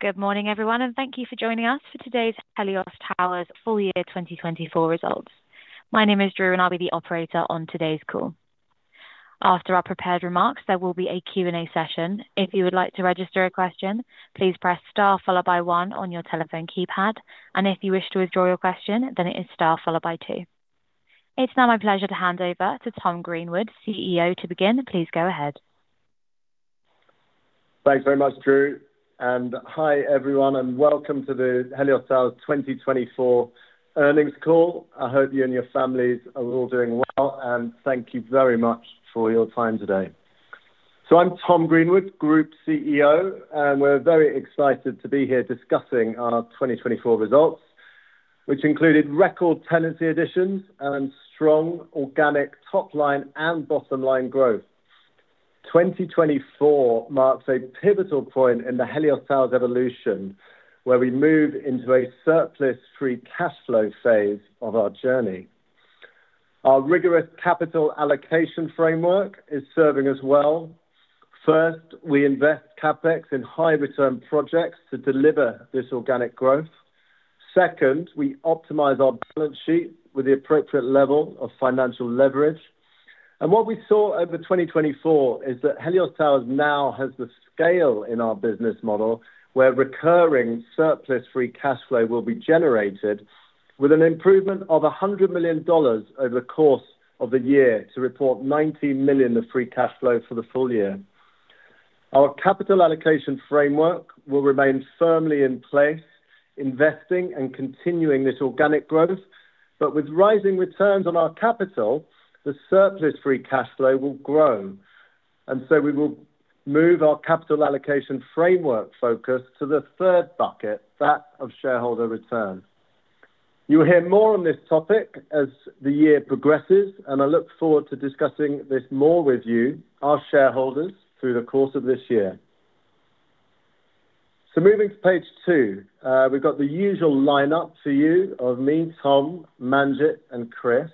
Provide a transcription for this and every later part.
Good morning, everyone, and thank you for joining us for today's Helios Towers full year 2024 results. My name is Drew, and I'll be the operator on today's call. After our prepared remarks, there will be a Q&A session. If you would like to register a question, please press star followed by one on your telephone keypad, and if you wish to withdraw your question, then it is star followed by two. It's now my pleasure to hand over to Tom Greenwood, CEO, to begin. Please go ahead. Thanks very much, Drew. Hi, everyone, and welcome to the Helios Towers 2024 earnings call. I hope you and your families are all doing well, and thank you very much for your time today. I'm Tom Greenwood, Group CEO, and we're very excited to be here discussing our 2024 results, which included record tenancy additions and strong organic top-line and bottom-line growth. 2024 marks a pivotal point in the Helios Towers evolution, where we move into a surplus-free cash flow phase of our journey. Our rigorous capital allocation framework is serving us well. First, we invest CapEx in high-return projects to deliver this organic growth. Second, we optimize our balance sheet with the appropriate level of financial leverage. What we saw over 2024 is that Helios Towers now has the scale in our business model where recurring surplus-free cash flow will be generated, with an improvement of $100 million over the course of the year to report $90 million of free cash flow for the full year. Our capital allocation framework will remain firmly in place, investing and continuing this organic growth, but with rising returns on our capital, the surplus-free cash flow will grow. We will move our capital allocation framework focus to the third bucket, that of shareholder return. You'll hear more on this topic as the year progresses, and I look forward to discussing this more with you, our shareholders, through the course of this year. Moving to page two, we've got the usual lineup for you of me, Tom, Manjit, and Chris.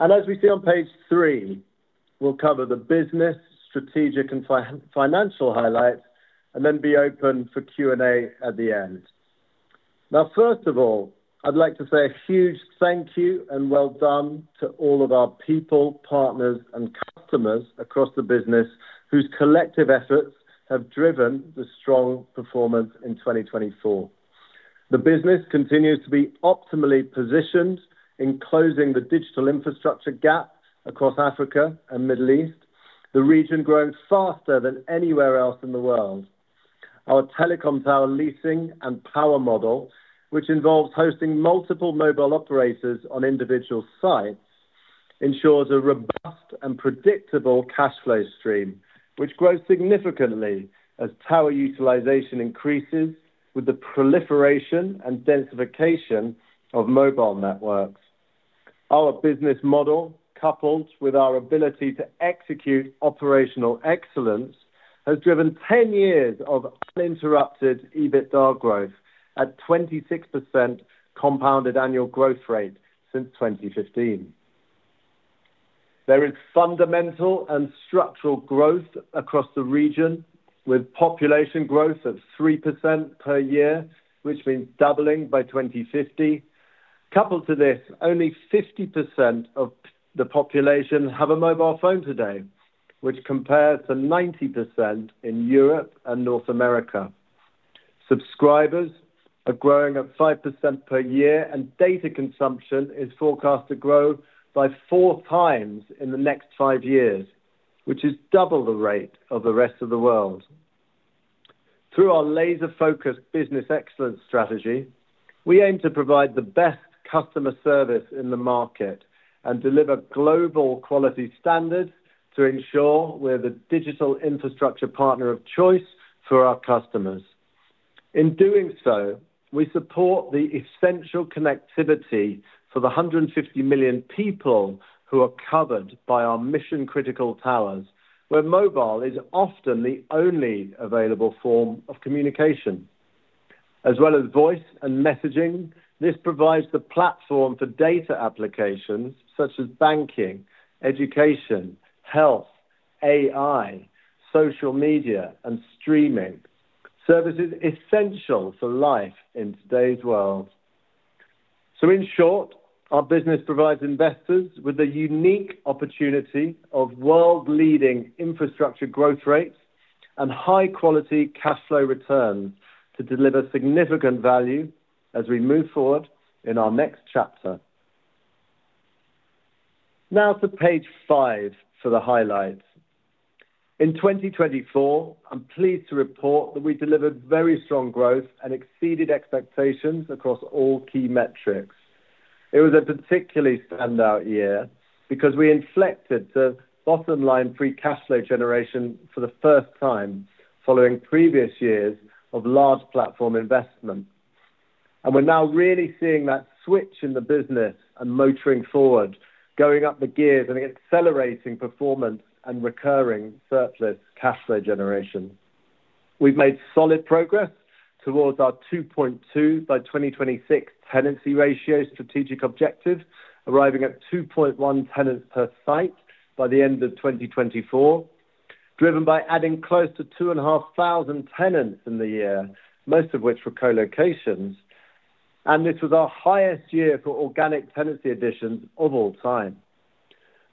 As we see on page three, we'll cover the business, strategic, and financial highlights, and then be open for Q&A at the end. First of all, I'd like to say a huge thank you and well done to all of our people, partners, and customers across the business whose collective efforts have driven the strong performance in 2024. The business continues to be optimally positioned in closing the digital infrastructure gap across Africa and the Middle East, the region growing faster than anywhere else in the world. Our telecom tower leasing and power model, which involves hosting multiple mobile operators on individual sites, ensures a robust and predictable cash flow stream, which grows significantly as tower utilization increases with the proliferation and densification of mobile networks. Our business model, coupled with our ability to execute operational excellence, has driven 10 years of uninterrupted EBITDA growth at 26% compounded annual growth rate since 2015. There is fundamental and structural growth across the region, with population growth of 3% per year, which means doubling by 2050. Coupled to this, only 50% of the population have a mobile phone today, which compares to 90% in Europe and North America. Subscribers are growing at 5% per year, and data consumption is forecast to grow by four times in the next five years, which is double the rate of the rest of the world. Through our laser-focused business excellence strategy, we aim to provide the best customer service in the market and deliver global quality standards to ensure we're the digital infrastructure partner of choice for our customers. In doing so, we support the essential connectivity for the 150 million people who are covered by our mission-critical towers, where mobile is often the only available form of communication. As well as voice and messaging, this provides the platform for data applications such as banking, education, health, AI, social media, and streaming services essential for life in today's world. In short, our business provides investors with a unique opportunity of world-leading infrastructure growth rates and high-quality cash flow returns to deliver significant value as we move forward in our next chapter. Now to page five for the highlights. In 2024, I'm pleased to report that we delivered very strong growth and exceeded expectations across all key metrics. It was a particularly standout year because we inflected to bottom-line free cash flow generation for the first time following previous years of large platform investment. We are now really seeing that switch in the business and motoring forward, going up the gears and accelerating performance and recurring surplus cash flow generation. We have made solid progress towards our 2.2 by 2026 tenancy ratio strategic objective, arriving at 2.1 tenants per site by the end of 2024, driven by adding close to 2,500 tenants in the year, most of which were co-locations. This was our highest year for organic tenancy additions of all time.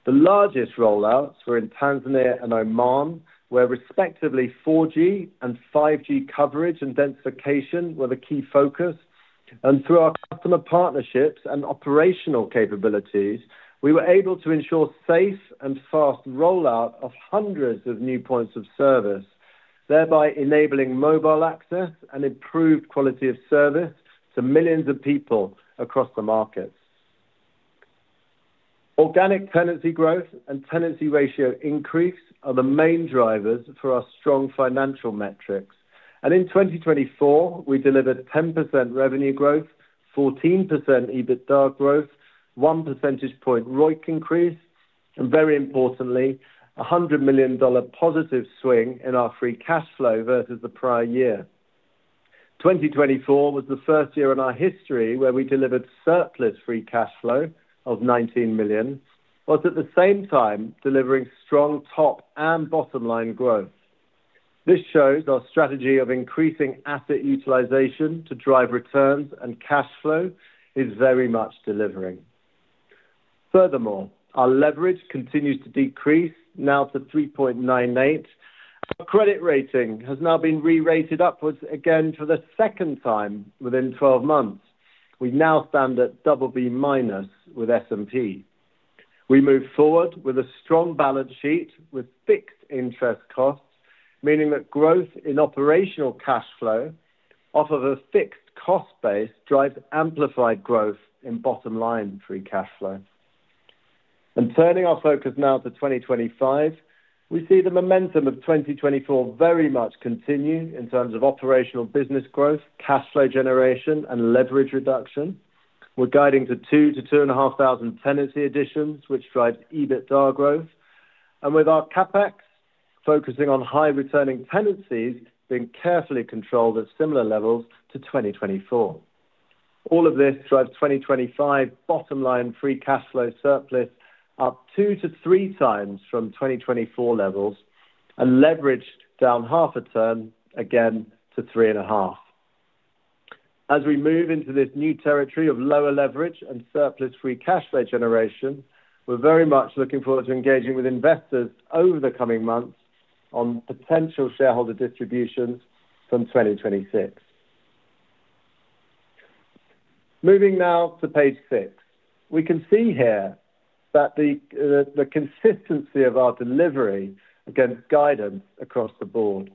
The largest rollouts were in Tanzania and Oman, where respectively 4G and 5G coverage and densification were the key focus. Through our customer partnerships and operational capabilities, we were able to ensure safe and fast rollout of hundreds of new points of service, thereby enabling mobile access and improved quality of service to millions of people across the markets. Organic tenancy growth and tenancy ratio increase are the main drivers for our strong financial metrics. In 2024, we delivered 10% revenue growth, 14% EBITDA growth, 1 percentage point ROIC increase, and very importantly, $100 million positive swing in our free cash flow versus the prior year. 2024 was the first year in our history where we delivered surplus-free cash flow of $19 million, whilst at the same time delivering strong top and bottom-line growth. This shows our strategy of increasing asset utilization to drive returns and cash flow is very much delivering. Furthermore, our leverage continues to decrease, now to 3.98. Our credit rating has now been re-rated upwards again for the second time within 12 months. We now stand at BB- with S&P. We move forward with a strong balance sheet with fixed interest costs, meaning that growth in operational cash flow off of a fixed cost base drives amplified growth in bottom-line free cash flow. Turning our focus now to 2025, we see the momentum of 2024 very much continue in terms of operational business growth, cash flow generation, and leverage reduction. We are guiding to 2,000-2,500 tenancy additions, which drives EBITDA growth. With our CapEx focusing on high-returning tenancies being carefully controlled at similar levels to 2024, all of this drives 2025 bottom-line free cash flow surplus up two to three times from 2024 levels and leverage down half a turn, again to three and a half. As we move into this new territory of lower leverage and surplus-free cash flow generation, we're very much looking forward to engaging with investors over the coming months on potential shareholder distributions from 2026. Moving now to page six, we can see here that the consistency of our delivery against guidance across the board.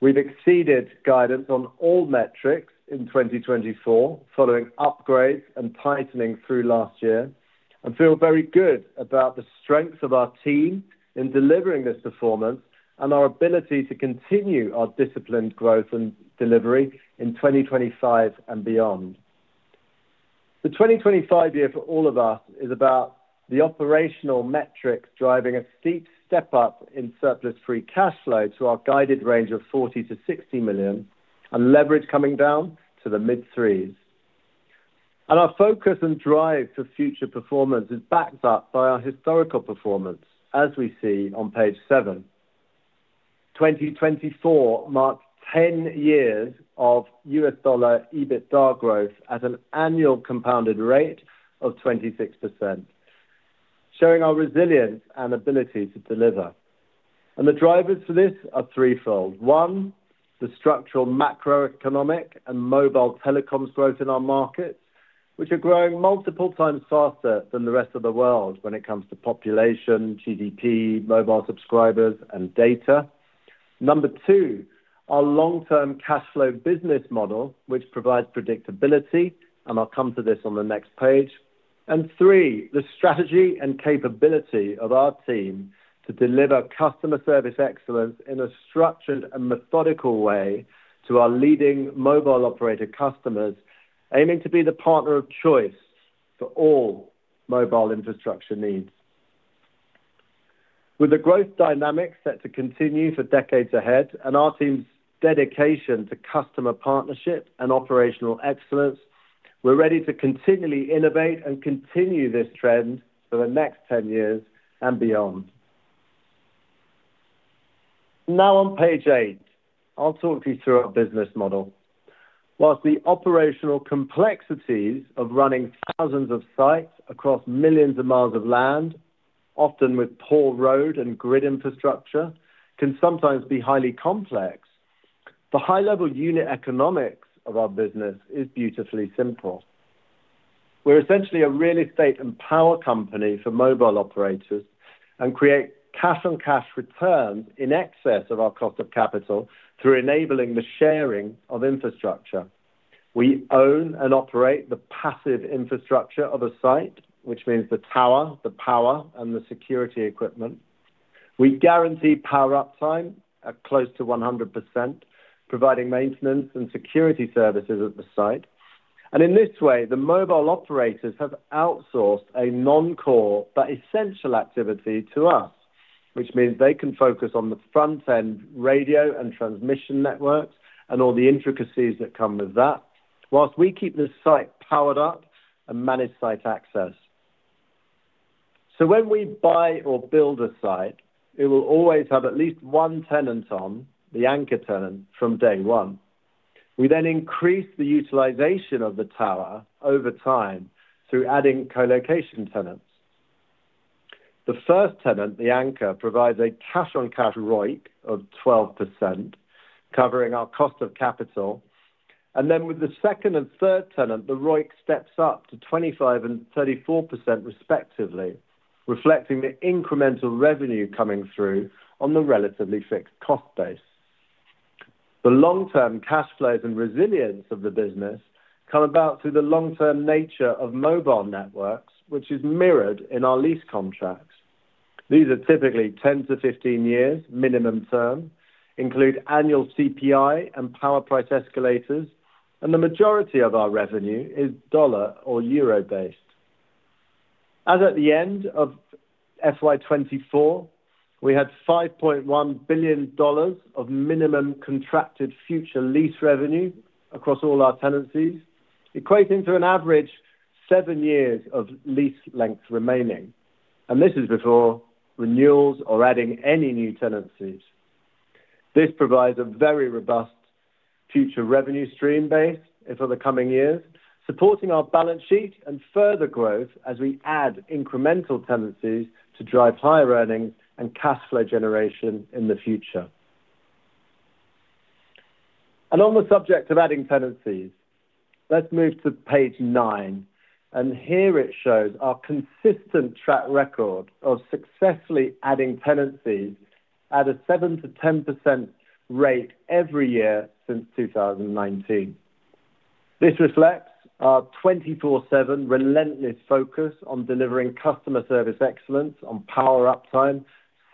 We've exceeded guidance on all metrics in 2024, following upgrades and tightening through last year, and feel very good about the strengths of our team in delivering this performance and our ability to continue our disciplined growth and delivery in 2025 and beyond. The 2025 year for all of us is about the operational metrics driving a steep step up in surplus-free cash flow to our guided range of $40 million-$60 million, and leverage coming down to the mid-3s. Our focus and drive for future performance is backed up by our historical performance, as we see on page seven. 2024 marked 10 years of U.S. dollar EBITDA growth at an annual compounded rate of 26%, showing our resilience and ability to deliver. The drivers for this are threefold. One, the structural macroeconomic and mobile telecoms growth in our markets, which are growing multiple times faster than the rest of the world when it comes to population, GDP, mobile subscribers, and data. Number two, our long-term cash flow business model, which provides predictability, and I'll come to this on the next page. Three, the strategy and capability of our team to deliver customer service excellence in a structured and methodical way to our leading mobile operator customers, aiming to be the partner of choice for all mobile infrastructure needs. With the growth dynamic set to continue for decades ahead and our team's dedication to customer partnership and operational excellence, we're ready to continually innovate and continue this trend for the next 10 years and beyond. Now on page eight, I'll talk you through our business model. Whilst the operational complexities of running thousands of sites across millions of miles of land, often with poor road and grid infrastructure, can sometimes be highly complex, the high-level unit economics of our business is beautifully simple. We're essentially a real estate and power company for mobile operators and create cash-on-cash returns in excess of our cost of capital through enabling the sharing of infrastructure. We own and operate the passive infrastructure of a site, which means the tower, the power, and the security equipment. We guarantee power-up time at close to 100%, providing maintenance and security services at the site. In this way, the mobile operators have outsourced a non-core but essential activity to us, which means they can focus on the front-end radio and transmission networks and all the intricacies that come with that, whilst we keep the site powered up and manage site access. When we buy or build a site, it will always have at least one tenant on, the anchor tenant, from day one. We then increase the utilization of the tower over time through adding co-location tenants. The first tenant, the anchor, provides a cash-on-cash ROIC of 12%, covering our cost of capital. With the second and third tenant, the ROIC steps up to 25% and 34% respectively, reflecting the incremental revenue coming through on the relatively fixed cost base. The long-term cash flows and resilience of the business come about through the long-term nature of mobile networks, which is mirrored in our lease contracts. These are typically 10-15 years, minimum term, include annual CPI and power price escalators, and the majority of our revenue is dollar or euro-based. As at the end of FY 2024, we had $5.1 billion of minimum contracted future lease revenue across all our tenancies, equating to an average seven years of lease length remaining. This is before renewals or adding any new tenancies. This provides a very robust future revenue stream base for the coming years, supporting our balance sheet and further growth as we add incremental tenancies to drive higher earnings and cash flow generation in the future. On the subject of adding tenancies, let's move to page nine. Here it shows our consistent track record of successfully adding tenancies at a 7%-10% rate every year since 2019. This reflects our 24/7 relentless focus on delivering customer service excellence on power-up time,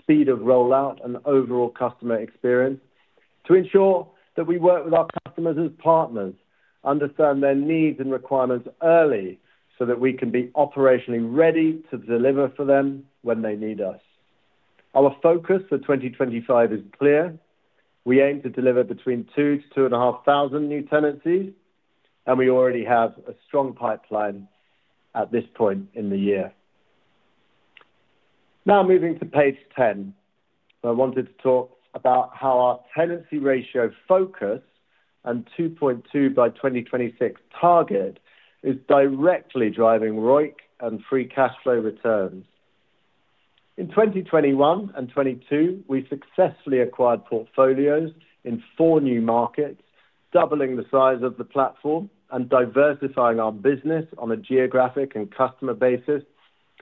speed of rollout, and overall customer experience to ensure that we work with our customers as partners, understand their needs and requirements early so that we can be operationally ready to deliver for them when they need us. Our focus for 2025 is clear. We aim to deliver between 2,000-2,500 new tenancies, and we already have a strong pipeline at this point in the year. Now moving to page 10, I wanted to talk about how our tenancy ratio focus and 2.2 by 2026 target is directly driving ROIC and free cash flow returns. In 2021 and 2022, we successfully acquired portfolios in four new markets, doubling the size of the platform and diversifying our business on a geographic and customer basis,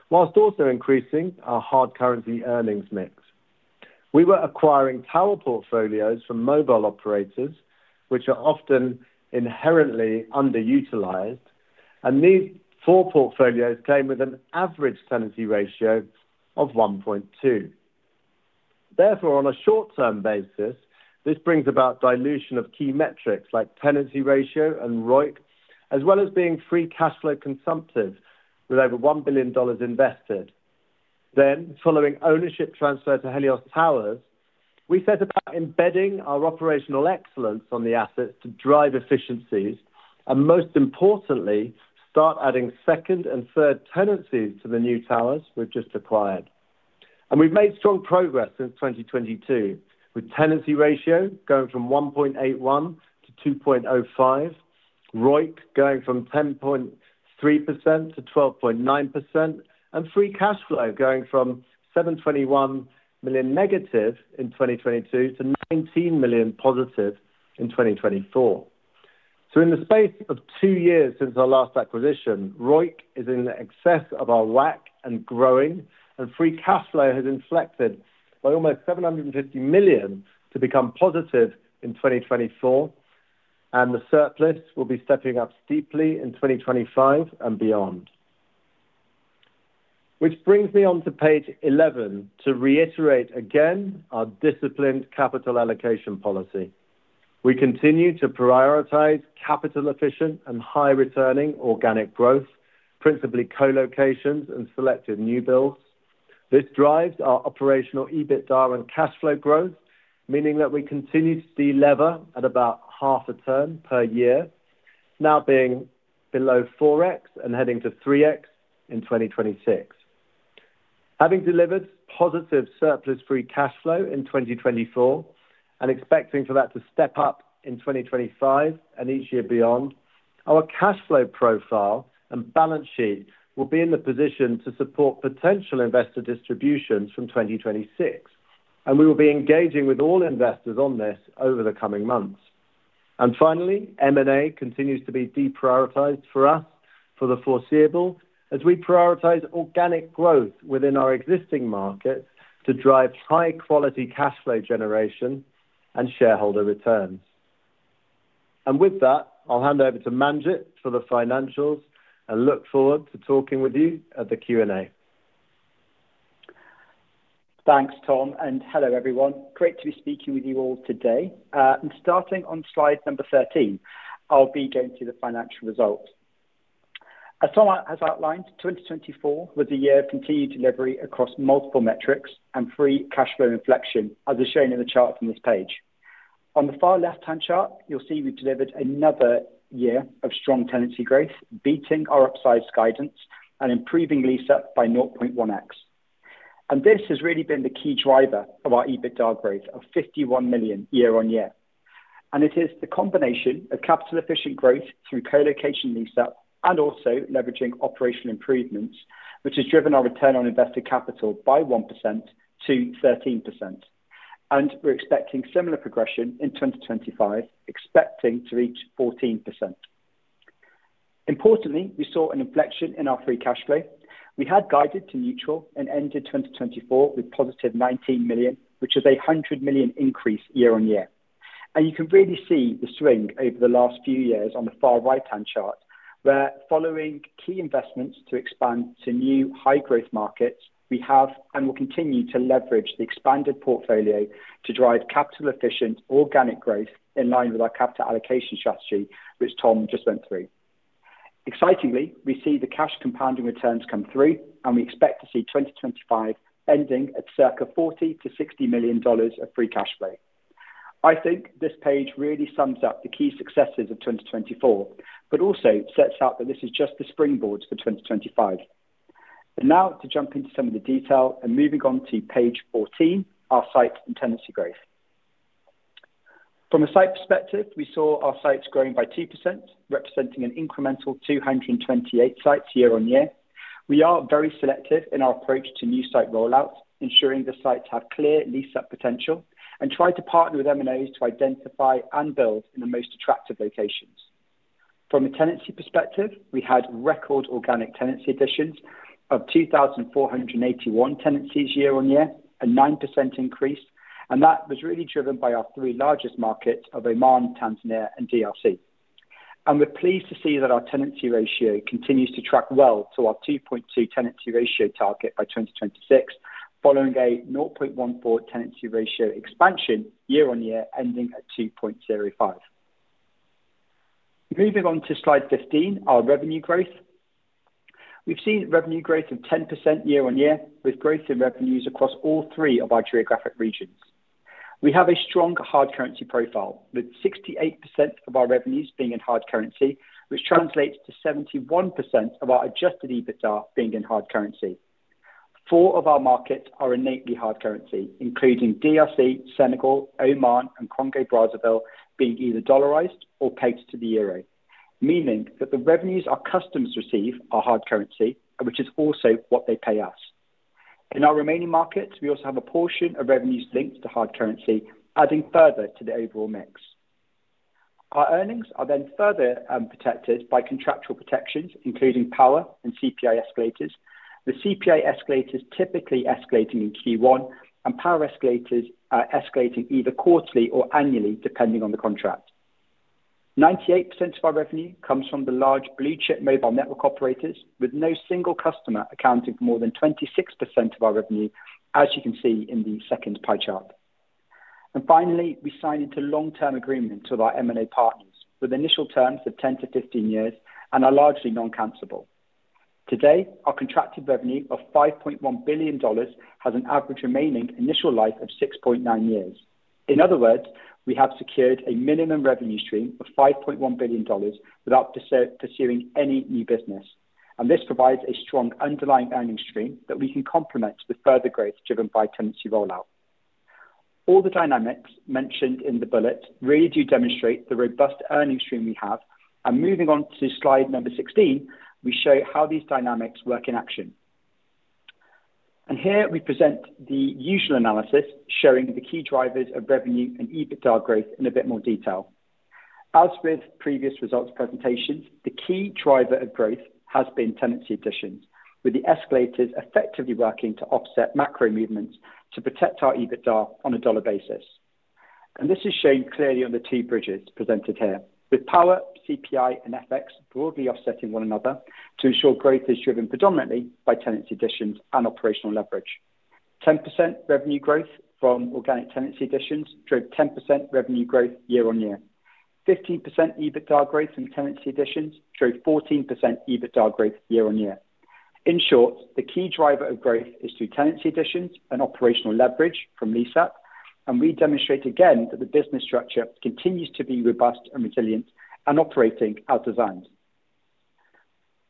whilst also increasing our hard currency earnings mix. We were acquiring tower portfolios from mobile operators, which are often inherently underutilized, and these four portfolios came with an average tenancy ratio of 1.2. Therefore, on a short-term basis, this brings about dilution of key metrics like tenancy ratio and ROIC, as well as being free cash flow consumptive with over $1 billion invested. Following ownership transfer to Helios Towers, we set about embedding our operational excellence on the assets to drive efficiencies and, most importantly, start adding second and third tenancies to the new towers we've just acquired. We have made strong progress since 2022, with tenancy ratio going from 1.81 to 2.05, ROIC going from 10.3% to 12.9%, and free cash flow going from $721 million negative in 2022 to $19 million positive in 2024. In the space of two years since our last acquisition, ROIC is in excess of our WACC and growing, and free cash flow has inflected by almost $750 million to become positive in 2024, and the surplus will be stepping up steeply in 2025 and beyond. This brings me on to page 11 to reiterate again our disciplined capital allocation policy. We continue to prioritize capital-efficient and high-returning organic growth, principally co-locations and selected new builds. This drives our operational EBITDA and cash flow growth, meaning that we continue to deliver at about half a turn per year, now being below 4x and heading to 3x in 2026. Having delivered positive surplus-free cash flow in 2024 and expecting for that to step up in 2025 and each year beyond, our cash flow profile and balance sheet will be in the position to support potential investor distributions from 2026, and we will be engaging with all investors on this over the coming months. M&A continues to be deprioritized for us for the foreseeable as we prioritize organic growth within our existing markets to drive high-quality cash flow generation and shareholder returns. With that, I'll hand over to Manjit for the financials and look forward to talking with you at the Q&A. Thanks, Tom, and hello, everyone. Great to be speaking with you all today. Starting on slide number 13, I'll be going through the financial results. As Tom has outlined, 2024 was a year of continued delivery across multiple metrics and free cash flow inflection, as is shown in the chart from this page. On the far left-hand chart, you'll see we've delivered another year of strong tenancy growth, beating our upsized guidance and improving lease-up by 0.1x. This has really been the key driver of our EBITDA growth of $51 million year-on-year. It is the combination of capital-efficient growth through co-location lease-up and also leveraging operational improvements, which has driven our return on invested capital by 1% to 13%. We're expecting similar progression in 2025, expecting to reach 14%. Importantly, we saw an inflection in our free cash flow. We had guided to neutral and ended 2024 with positive $19 million, which is a $100 million increase year-on-year. You can really see the swing over the last few years on the far right-hand chart, where following key investments to expand to new high-growth markets, we have and will continue to leverage the expanded portfolio to drive capital-efficient organic growth in line with our capital allocation strategy, which Tom just went through. Excitingly, we see the cash compounding returns come through, and we expect to see 2025 ending at circa $40 million-$60 million of free cash flow. I think this page really sums up the key successes of 2024, but also sets out that this is just the springboard for 2025. Now to jump into some of the detail and moving on to page 14, our sites and tenancy growth. From a site perspective, we saw our sites growing by 2%, representing an incremental 228 sites year-on-year. We are very selective in our approach to new site rollouts, ensuring the sites have clear lease-up potential, and try to partner with M&As to identify and build in the most attractive locations. From a tenancy perspective, we had record organic tenancy additions of 2,481 tenancies year-on-year, a 9% increase, and that was really driven by our three largest markets of Oman, Tanzania, and DRC. We are pleased to see that our tenancy ratio continues to track well to our 2.2 tenancy ratio target by 2026, following a 0.14 tenancy ratio expansion year-on-year ending at 2.05. Moving on to slide 15, our revenue growth. We have seen revenue growth of 10% year-on-year with growth in revenues across all three of our geographic regions. We have a strong hard currency profile, with 68% of our revenues being in hard currency, which translates to 71% of our adjusted EBITDA being in hard currency. Four of our markets are innately hard currency, including DRC, Senegal, Oman, and Congo-Brazzaville being either dollarized or pegged to the euro, meaning that the revenues our customers receive are hard currency, which is also what they pay us. In our remaining markets, we also have a portion of revenues linked to hard currency, adding further to the overall mix. Our earnings are then further protected by contractual protections, including power and CPI escalators, with CPI escalators typically escalating in Q1 and power escalators escalating either quarterly or annually, depending on the contract. 98% of our revenue comes from the large blue-chip mobile network operators, with no single customer accounting for more than 26% of our revenue, as you can see in the second pie chart. Finally, we sign into long-term agreements with our M&A partners, with initial terms of 10-15 years and are largely non-cancelable. Today, our contracted revenue of $5.1 billion has an average remaining initial life of 6.9 years. In other words, we have secured a minimum revenue stream of $5.1 billion without pursuing any new business, and this provides a strong underlying earnings stream that we can complement with further growth driven by tenancy rollout. All the dynamics mentioned in the bullet really do demonstrate the robust earnings stream we have, and moving on to slide number 16, we show how these dynamics work in action. Here we present the usual analysis showing the key drivers of revenue and EBITDA growth in a bit more detail. As with previous results presentations, the key driver of growth has been tenancy additions, with the escalators effectively working to offset macro movements to protect our EBITDA on a dollar basis. This is shown clearly on the two bridges presented here, with power, CPI, and FX broadly offsetting one another to ensure growth is driven predominantly by tenancy additions and operational leverage. 10% revenue growth from organic tenancy additions drove 10% revenue growth year-on-year. 15% EBITDA growth from tenancy additions drove 14% EBITDA growth year-on-year. In short, the key driver of growth is through tenancy additions and operational leverage from lease-up, and we demonstrate again that the business structure continues to be robust and resilient and operating as designed.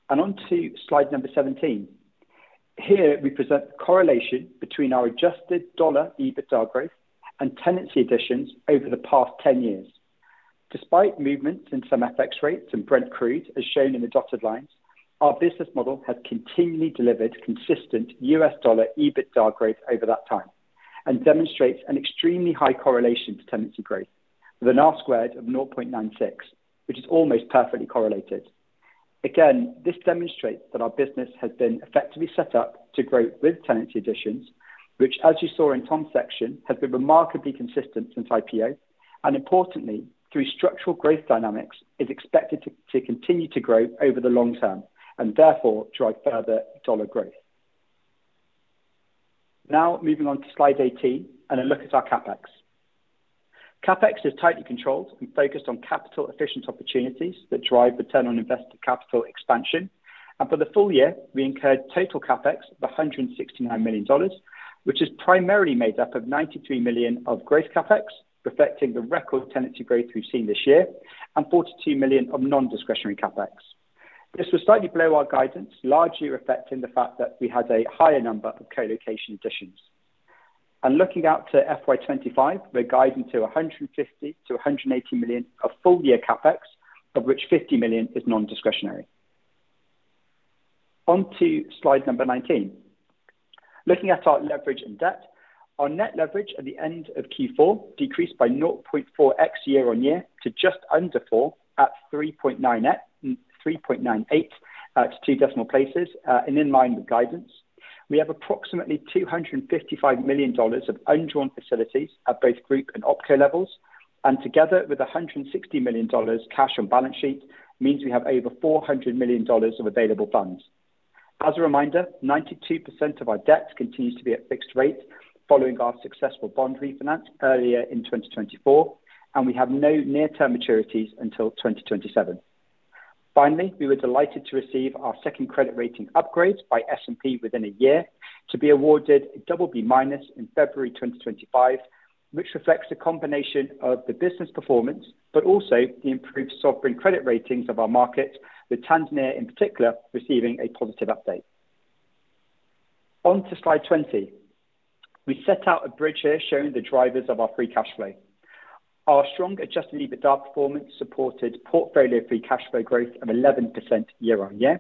On to slide number 17. Here we present the correlation between our adjusted dollar EBITDA growth and tenancy additions over the past 10 years. Despite movements in some FX rates and Brent crude, as shown in the dotted lines, our business model has continually delivered consistent U.S. dollar EBITDA growth over that time and demonstrates an extremely high correlation to tenancy growth, with an R-squared of 0.96, which is almost perfectly correlated. Again, this demonstrates that our business has been effectively set up to grow with tenancy additions, which, as you saw in Tom's section, has been remarkably consistent since IPO, and importantly, through structural growth dynamics, is expected to continue to grow over the long term and therefore drive further dollar growth. Now moving on to slide 18 and a look at our CapEx. CapEx is tightly controlled and focused on capital-efficient opportunities that drive return on invested capital expansion. For the full year, we incurred total CapEx of $169 million, which is primarily made up of $93 million of growth CapEx, reflecting the record tenancy growth we've seen this year, and $42 million of non-discretionary CapEx. This was slightly below our guidance, largely reflecting the fact that we had a higher number of co-location additions. Looking out to FY 2025, we're guiding to $150 million-$180 million of full-year CapEx, of which $50 million is non-discretionary. On to slide number 19. Looking at our leverage and debt, our net leverage at the end of Q4 decreased by 0.4x year-on-year to just under 4 at 3.98 at two decimal places, and in line with guidance, we have approximately $255 million of undrawn facilities at both Group and OpCo levels, and together with $160 million cash on balance sheet means we have over $400 million of available funds. As a reminder, 92% of our debt continues to be at fixed rates following our successful bond refinance earlier in 2024, and we have no near-term maturities until 2027. Finally, we were delighted to receive our second credit rating upgrade by S&P within a year to be awarded a BB- in February 2025, which reflects the combination of the business performance, but also the improved sovereign credit ratings of our markets, with Tanzania in particular receiving a positive update. On to slide 20. We set out a bridge here showing the drivers of our free cash flow. Our strong adjusted EBITDA performance supported portfolio free cash flow growth of 11% year-on-year.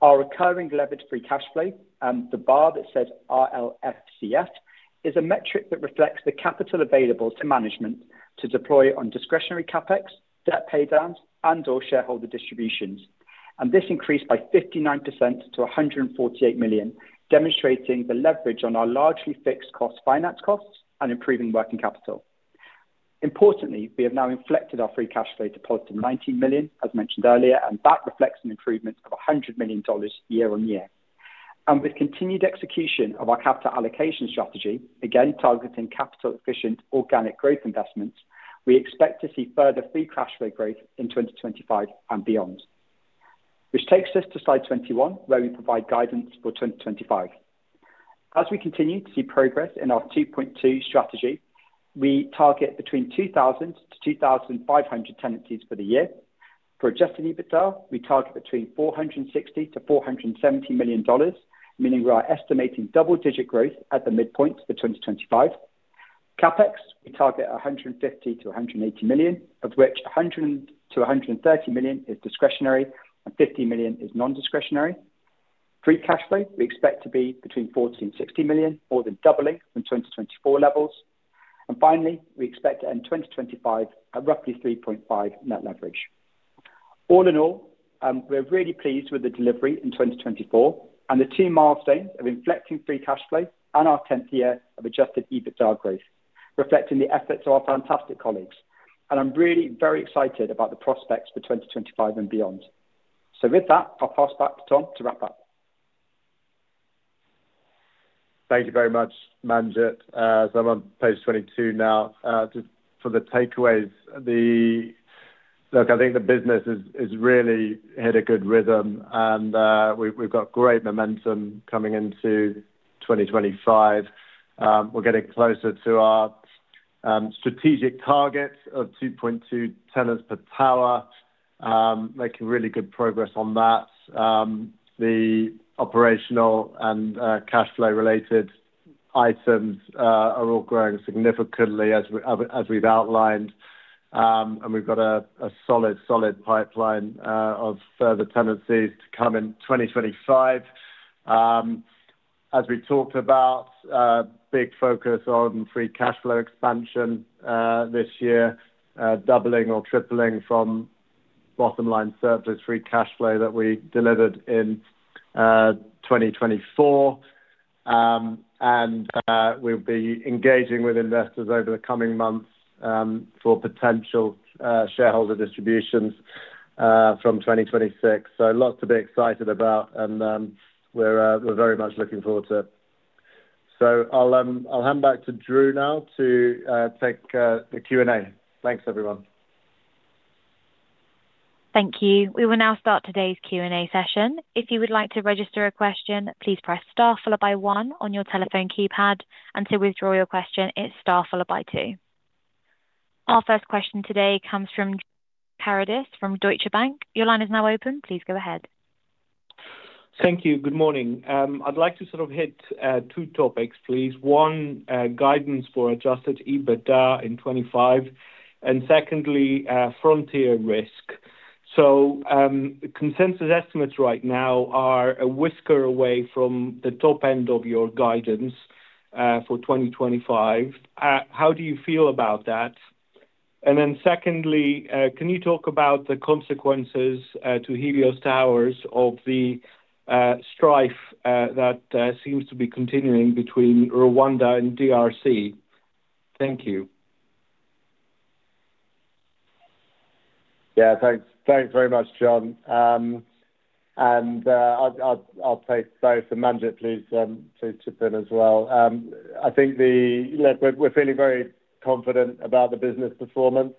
Our recurring leveraged free cash flow, and the bar that says RLFCF, is a metric that reflects the capital available to management to deploy on discretionary CapEx, debt paydowns, and/or shareholder distributions. This increased by 59% to $148 million, demonstrating the leverage on our largely fixed cost finance costs and improving working capital. Importantly, we have now inflected our free cash flow deposit of $19 million, as mentioned earlier, and that reflects an improvement of $100 million year-on-year. With continued execution of our capital allocation strategy, again targeting capital-efficient organic growth investments, we expect to see further free cash flow growth in 2025 and beyond. This takes us to slide 21, where we provide guidance for 2025. As we continue to see progress in our 2.2 strategy, we target between 2,000 and 2,500 tenancies for the year. For adjusted EBITDA, we target between $460 million-$470 million, meaning we are estimating double-digit growth at the midpoint for 2025. CapEx, we target $150 million-$180 million, of which $100 million-$130 million is discretionary and $50 million is non-discretionary. Free cash flow, we expect to be between $40 million and $60 million, more than doubling from 2024 levels. Finally, we expect to end 2025 at roughly 3.5 net leverage. All in all, we're really pleased with the delivery in 2024 and the two milestones of inflecting free cash flow and our 10th year of adjusted EBITDA growth, reflecting the efforts of our fantastic colleagues. I'm really very excited about the prospects for 2025 and beyond. With that, I'll pass back to Tom to wrap up. Thank you very much, Manjit. I'm on page 22 now. Just for the takeaways, look, I think the business has really hit a good rhythm, and we've got great momentum coming into 2025. We're getting closer to our strategic target of 2.2 tenants per tower, making really good progress on that. The operational and cash flow-related items are all growing significantly, as we've outlined, and we've got a solid, solid pipeline of further tenancies to come in 2025. As we talked about, big focus on free cash flow expansion this year, doubling or tripling from bottom-line surplus free cash flow that we delivered in 2024. We'll be engaging with investors over the coming months for potential shareholder distributions from 2026. Lots to be excited about, and we're very much looking forward to it. I'll hand back to Drew now to take the Q&A. Thanks, everyone. Thank you. We will now start today's Q&A session. If you would like to register a question, please press star followed by one on your telephone keypad, and to withdraw your question, it's star followed by two. Our first question today comes from Karidis from Deutsche Bank. Your line is now open. Please go ahead. Thank you. Good morning. I'd like to sort of hit two topics, please. One, guidance for adjusted EBITDA in 2025, and secondly, frontier risk. Consensus estimates right now are a whisker away from the top end of your guidance for 2025. How do you feel about that? Secondly, can you talk about the consequences to Helios Towers of the strife that seems to be continuing between Rwanda and DRC? Thank you. Yeah, thanks very much, John. I'll take both. Manjit, please chip in as well. I think we're feeling very confident about the business performance.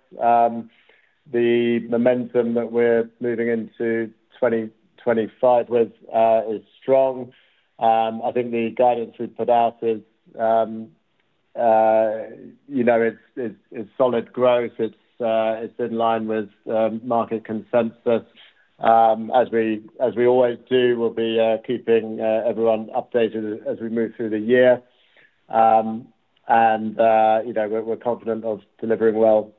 The momentum that we're moving into 2025 with is strong. I think the guidance we've put out is solid growth. It's in line with market consensus. As we always do, we'll be keeping everyone updated as we move through the year. We're confident of delivering well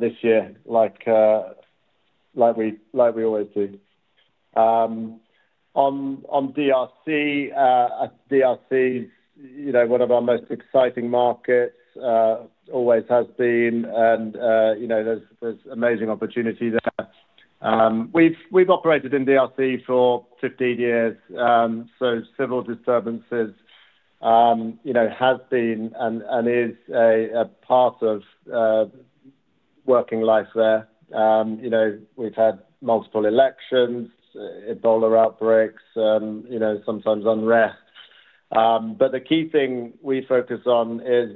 this year, like we always do. On DRC, DRC is one of our most exciting markets, always has been, and there's amazing opportunity there. We've operated in DRC for 15 years, so civil disturbances have been and is a part of working life there. We've had multiple elections, Ebola outbreaks, sometimes unrest. The key thing we focus on is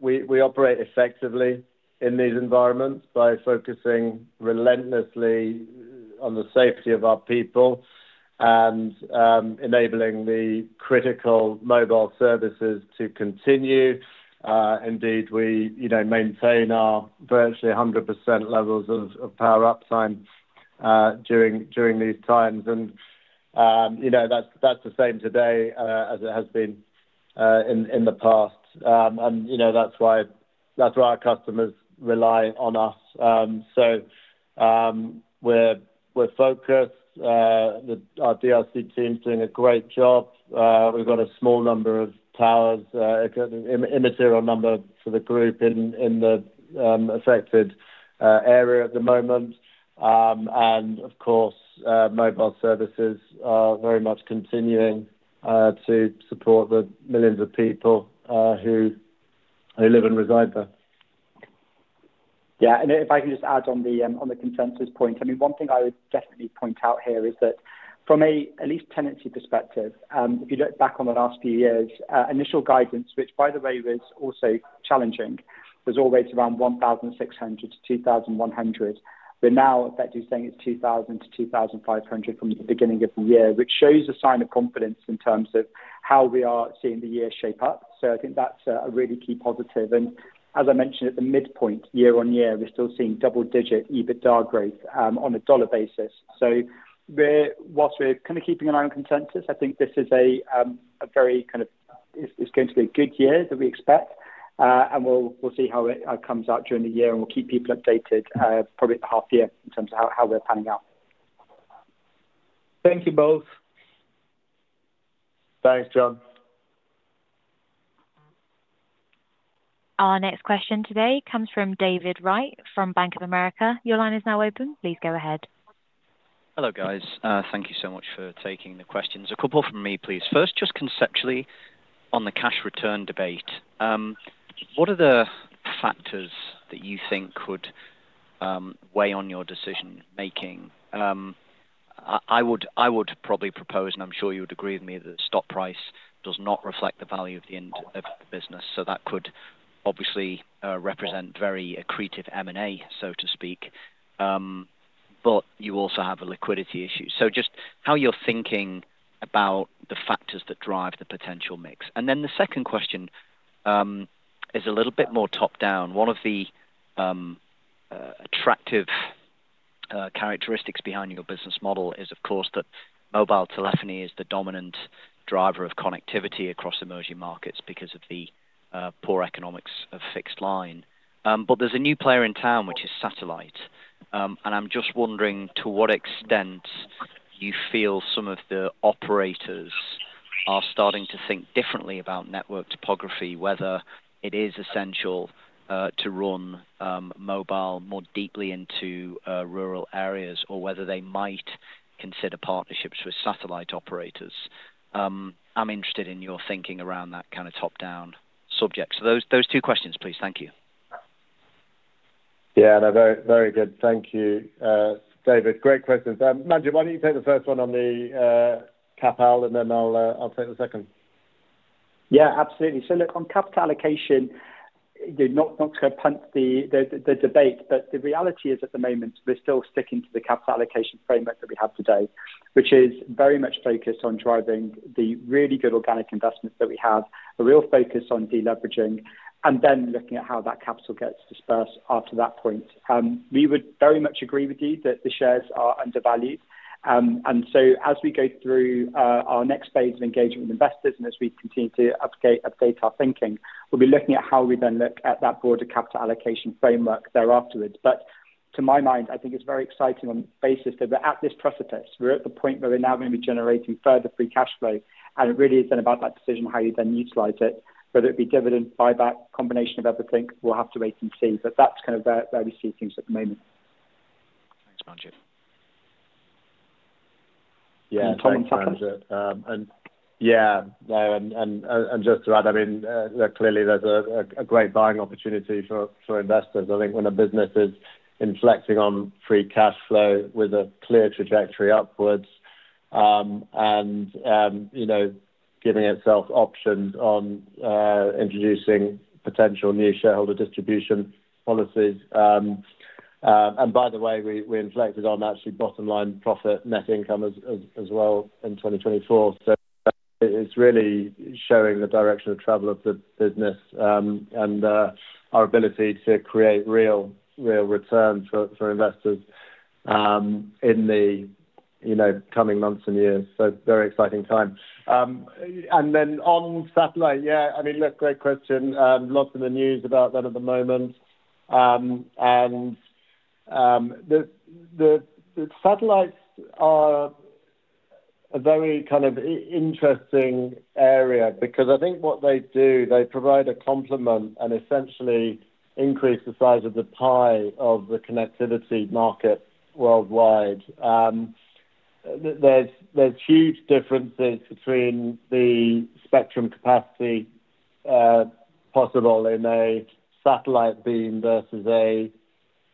we operate effectively in these environments by focusing relentlessly on the safety of our people and enabling the critical mobile services to continue. Indeed, we maintain our virtually 100% levels of power uptime during these times. That's the same today as it has been in the past. That's why our customers rely on us. We're focused. Our DRC team's doing a great job. We've got a small number of towers, immaterial number for the group in the affected area at the moment. Of course, mobile services are very much continuing to support the millions of people who live and reside there. Yeah, and if I can just add on the consensus point, I mean, one thing I would definitely point out here is that from an at least tenancy perspective, if you look back on the last few years, initial guidance, which by the way was also challenging, was always around 1,600-2,100. We're now effectively saying it's 2,000-2,500 from the beginning of the year, which shows a sign of confidence in terms of how we are seeing the year shape up. I think that's a really key positive. As I mentioned, at the midpoint, year-on-year, we're still seeing double-digit EBITDA growth on a dollar basis. Whilst we're kind of keeping an eye on consensus, I think this is a very kind of it's going to be a good year that we expect, and we'll see how it comes out during the year, and we'll keep people updated probably half year in terms of how we're planning out. Thank you both. Thanks, John. Our next question today comes from David Wright from Bank of America. Your line is now open. Please go ahead. Hello, guys. Thank you so much for taking the questions. A couple from me, please. First, just conceptually on the cash return debate, what are the factors that you think could weigh on your decision-making? I would probably propose, and I'm sure you would agree with me, that the stock price does not reflect the value of the business. That could obviously represent very accretive M&A, so to speak. You also have a liquidity issue. Just how you're thinking about the factors that drive the potential mix. The second question is a little bit more top-down. One of the attractive characteristics behind your business model is, of course, that mobile telephony is the dominant driver of connectivity across emerging markets because of the poor economics of fixed line. There is a new player in town, which is satellite. I'm just wondering to what extent you feel some of the operators are starting to think differently about network topography, whether it is essential to run mobile more deeply into rural areas, or whether they might consider partnerships with satellite operators. I'm interested in your thinking around that kind of top-down subject. Those two questions, please. Thank you. Yeah, no, very good. Thank you, David. Great questions. Manjit, why don't you take the first one on the capital allocation, and then I'll take the second. Yeah, absolutely. Look, on capital allocation, not to go punt the debate, but the reality is at the moment, we're still sticking to the capital allocation framework that we have today, which is very much focused on driving the really good organic investments that we have, a real focus on deleveraging, and then looking at how that capital gets dispersed after that point. We would very much agree with you that the shares are undervalued. As we go through our next phase of engagement with investors and as we continue to update our thinking, we'll be looking at how we then look at that broader capital allocation framework thereafterwards. To my mind, I think it's very exciting on the basis that we're at this precipice. We're at the point where we're now going to be generating further free cash flow. It really is then about that decision, how you then utilize it, whether it be dividend, buyback, combination of everything. We'll have to wait and see. That's kind of where we see things at the moment. Thanks, Manjit. Yeah, Tom, I'm satisfied. Yeah, no. Just to add, I mean, clearly there's a great buying opportunity for investors. I think when a business is inflecting on free cash flow with a clear trajectory upwards and giving itself options on introducing potential new shareholder distribution policies. By the way, we inflected on actually bottom-line profit, net income as well in 2024. It is really showing the direction of travel of the business and our ability to create real returns for investors in the coming months and years. Very exciting time. On satellite, yeah, I mean, look, great question. Lots in the news about that at the moment. The satellites are a very kind of interesting area because I think what they do, they provide a complement and essentially increase the size of the pie of the connectivity market worldwide. There are huge differences between the spectrum capacity possible in a satellite beam versus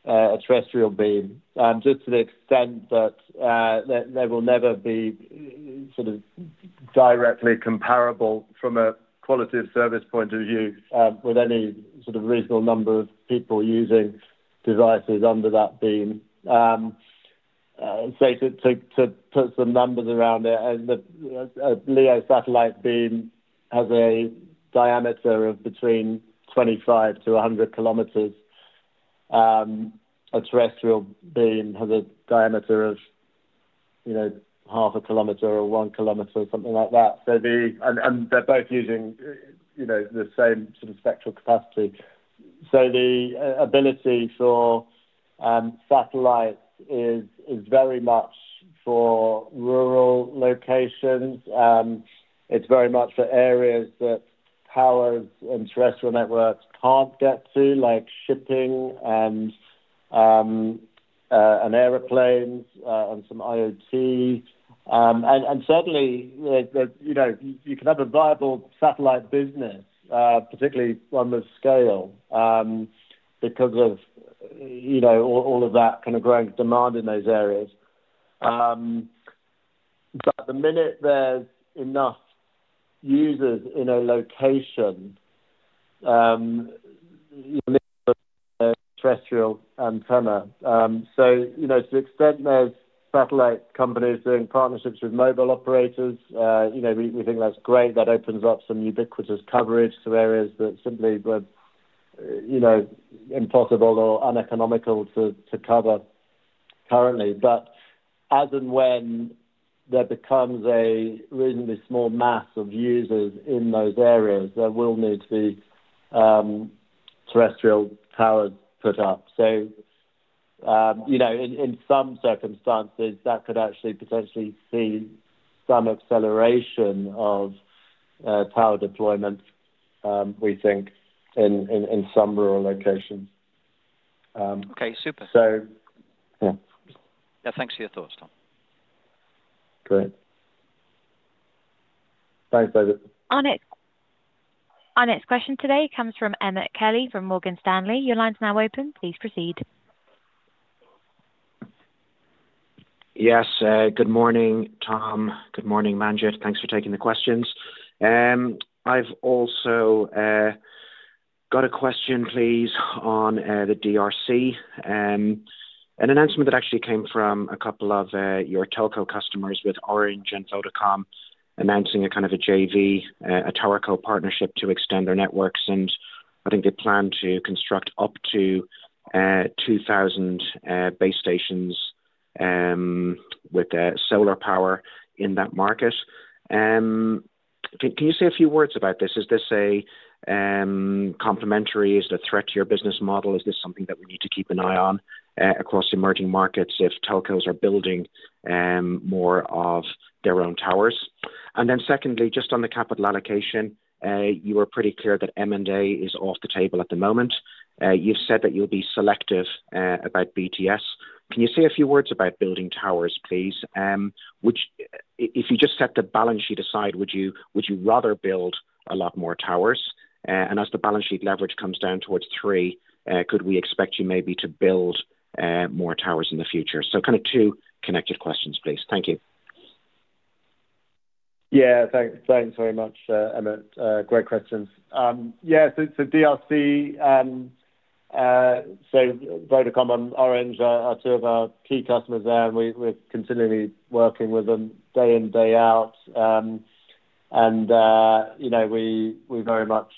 a terrestrial beam, just to the extent that they will never be sort of directly comparable from a quality of service point of view with any sort of reasonable number of people using devices under that beam. To put some numbers around it, a LEO satellite beam has a diameter of between 25km-100 km. A terrestrial beam has a diameter of 0.5km or 1km, something like that. They are both using the same sort of spectral capacity. The ability for satellites is very much for rural locations. It is very much for areas that power and terrestrial networks cannot get to, like shipping and airplanes and some IoT. Certainly, you can have a viable satellite business, particularly one with scale, because of all of that kind of growing demand in those areas. The minute there are enough users in a location, the terrestrial antenna. To the extent there are satellite companies doing partnerships with mobile operators, we think that is great. That opens up some ubiquitous coverage to areas that simply were impossible or uneconomical to cover currently. As and when there becomes a reasonably small mass of users in those areas, there will need to be terrestrial towers put up. In some circumstances, that could actually potentially see some acceleration of tower deployment, we think, in some rural locations. Okay, super. Yeah. Yeah, thanks for your thoughts, Tom. Great. Thanks, David. Our next question today comes from Emmet Kelly from Morgan Stanley. Your line's now open. Please proceed. Yes, good morning, Tom. Good morning, Manjit. Thanks for taking the questions. I've also got a question, please, on the DRC. An announcement that actually came from a couple of your telco customers with Orange and Vodacom announcing a kind of a JV, a TowerCo partnership to extend their networks. I think they plan to construct up to 2,000 base stations with solar power in that market. Can you say a few words about this? Is this a complementary? Is it a threat to your business model? Is this something that we need to keep an eye on across emerging markets if telcos are building more of their own towers? Then secondly, just on the capital allocation, you were pretty clear that M&A is off the table at the moment. You've said that you'll be selective about BTS. Can you say a few words about building towers, please? If you just set the balance sheet aside, would you rather build a lot more towers? As the balance sheet leverage comes down towards three, could we expect you maybe to build more towers in the future? Two connected questions, please. Thank you. Yeah, thanks very much, Emmet. Great questions. Yeah, DRC, Vodacom and Orange are two of our key customers there, and we're continually working with them day in, day out. We very much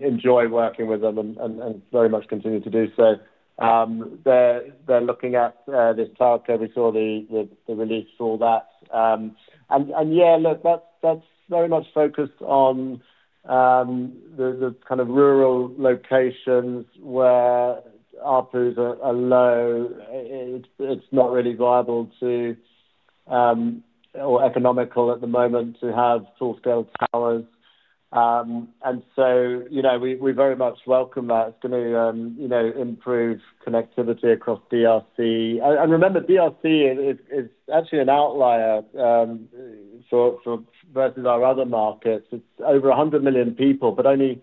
enjoy working with them and very much continue to do so. They're looking at this TowerCo. We saw the release for that. Yeah, look, that's very much focused on the kind of rural locations where ARPUs are low. It's not really viable or economical at the moment to have full-scale towers. We very much welcome that. It's going to improve connectivity across DRC. Remember, DRC is actually an outlier versus our other markets. It's over 100 million people, but only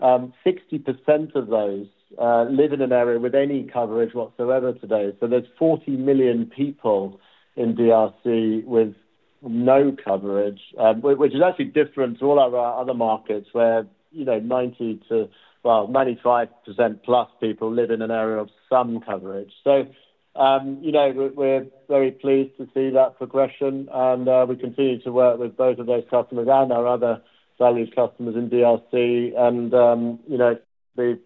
60% of those live in an area with any coverage whatsoever today. There are 40 million people in DRC with no coverage, which is actually different to all our other markets where 90-95% plus people live in an area of some coverage. We're very pleased to see that progression. We continue to work with both of those customers and our other valued customers in DRC. It's been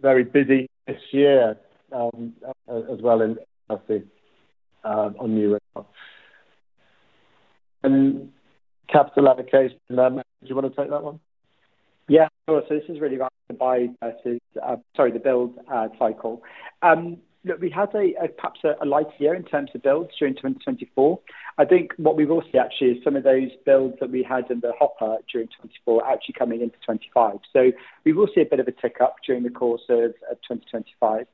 very busy this year as well in DRC on new record. Capital allocation, Manjit, do you want to take that one? Yeah, sure. This is really about the buying versus, sorry, the build cycle. Look, we had perhaps a light year in terms of builds during 2024. I think what we will see actually is some of those builds that we had in the hopper during 2024 actually coming into 2025. We will see a bit of a tick up during the course of 2025.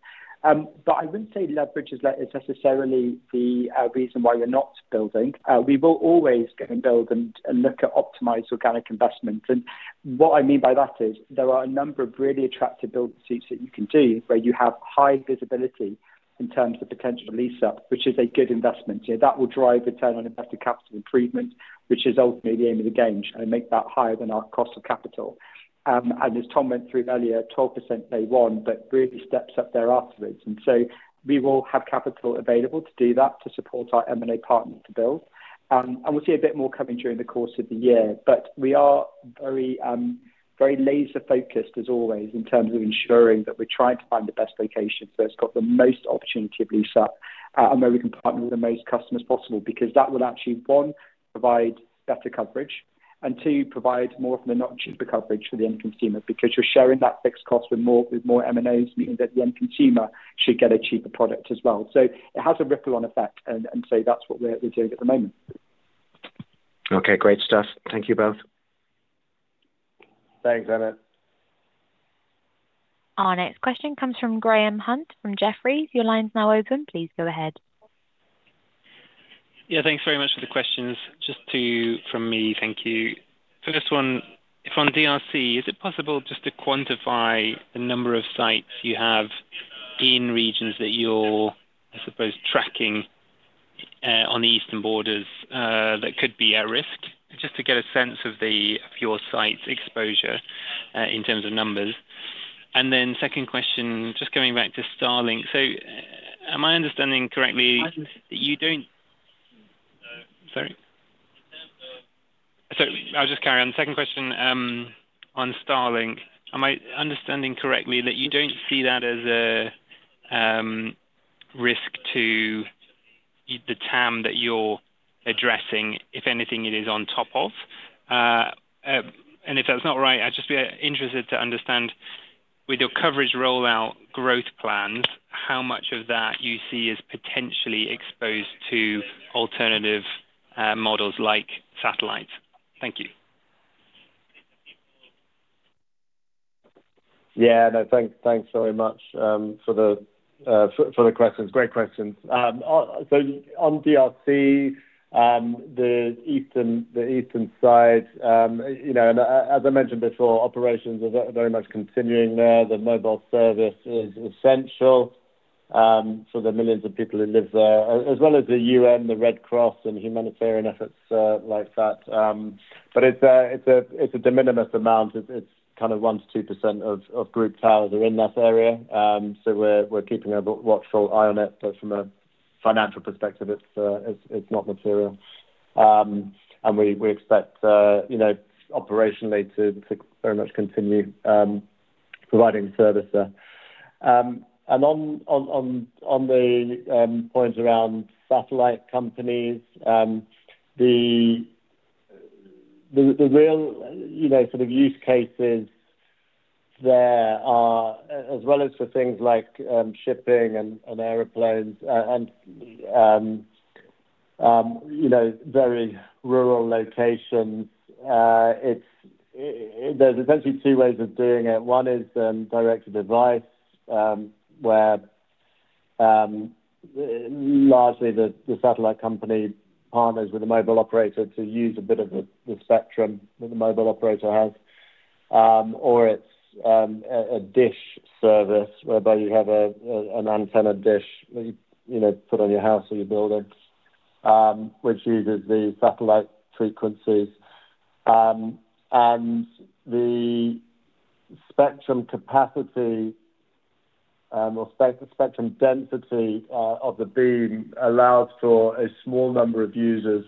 I would not say leverage is necessarily the reason why we are not building. We will always go and build and look at optimized organic investments. What I mean by that is there are a number of really attractive build suits that you can do where you have high visibility in terms of potential lease-up, which is a good investment. That will drive return on invested capital improvement, which is ultimately the aim of the game. Try and make that higher than our cost of capital. As Tom went through earlier, 12% day one, but really steps up there afterwards. We will have capital available to do that to support our M&A partners to build. We will see a bit more coming during the course of the year. We are very laser-focused, as always, in terms of ensuring that we are trying to find the best location so it has the most opportunity of lease-up and where we can partner with the most customers possible because that will actually, one, provide better coverage, and two, provide more of the not-cheaper coverage for the end consumer because you are sharing that fixed cost with more M&As, meaning that the end consumer should get a cheaper product as well. It has a ripple-on effect. That is what we are doing at the moment. Okay, great stuff. Thank you both. Thanks, Emmet. Our next question comes from Graham Hunt from Jefferies. Your line is now open. Please go ahead. Yeah, thanks very much for the questions. Just from me, thank you. First one, if on DRC, is it possible just to quantify the number of sites you have in regions that you are, I suppose, tracking on the eastern borders that could be at risk? Just to get a sense of your site's exposure in terms of numbers. Second question, just coming back to Starlink. Am I understanding correctly that you do not—sorry? In terms of—sorry, I will just carry on. Second question on Starlink. Am I understanding correctly that you do not see that as a risk to the TAM that you are addressing, if anything, it is on top of? If that's not right, I'd just be interested to understand, with your coverage rollout growth plans, how much of that you see as potentially exposed to alternative models like satellites. Thank you. Yeah, no, thanks very much for the questions. Great questions. On DRC, the eastern side, as I mentioned before, operations are very much continuing there. The mobile service is essential for the millions of people who live there, as well as the UN, the Red Cross, and humanitarian efforts like that. It's a de minimis amount. It's kind of 1-2% of group towers are in that area. We're keeping a watchful eye on it. From a financial perspective, it's not material. We expect operationally to very much continue providing service there. On the point around satellite companies, the real sort of use cases there are, as well as for things like shipping and airplanes and very rural locations, there are essentially two ways of doing it. One is direct-to-device, where largely the satellite company partners with the mobile operator to use a bit of the spectrum that the mobile operator has. Or it is a dish service whereby you have an antenna dish that you put on your house or your building, which uses the satellite frequencies. The spectrum capacity or spectrum density of the beam allows for a small number of users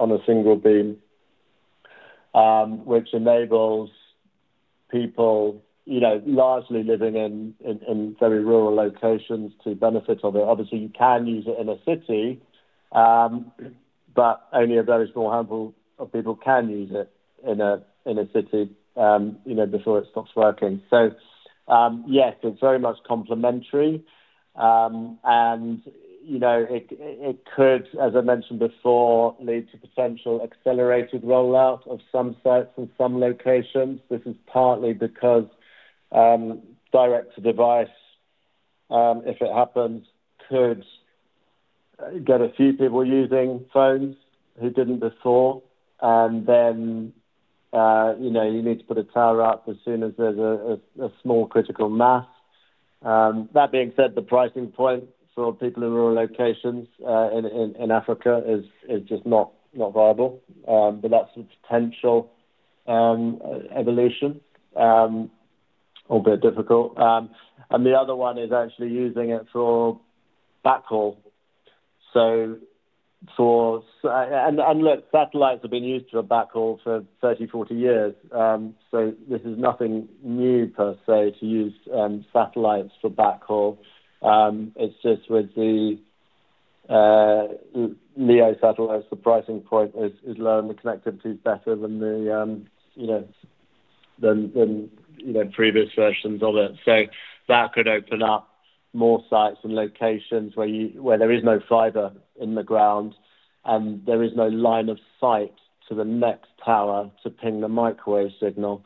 on a single beam, which enables people largely living in very rural locations to benefit from it. Obviously, you can use it in a city, but only a very small handful of people can use it in a city before it stops working. Yes, it's very much complementary. It could, as I mentioned before, lead to potential accelerated rollout of some sites in some locations. This is partly because direct-to-device, if it happens, could get a few people using phones who didn't before. You need to put a tower up as soon as there's a small critical mass. That being said, the pricing point for people in rural locations in Africa is just not viable. That's a potential evolution, albeit difficult. The other one is actually using it for backhaul. Look, satellites have been used for backhaul for 30-40 years. This is nothing new, per se, to use satellites for backhaul. It's just with the LEO satellites, the pricing point is low and the connectivity is better than the previous versions, all that. That could open up more sites and locations where there is no fiber in the ground and there is no line of sight to the next tower to ping the microwave signal.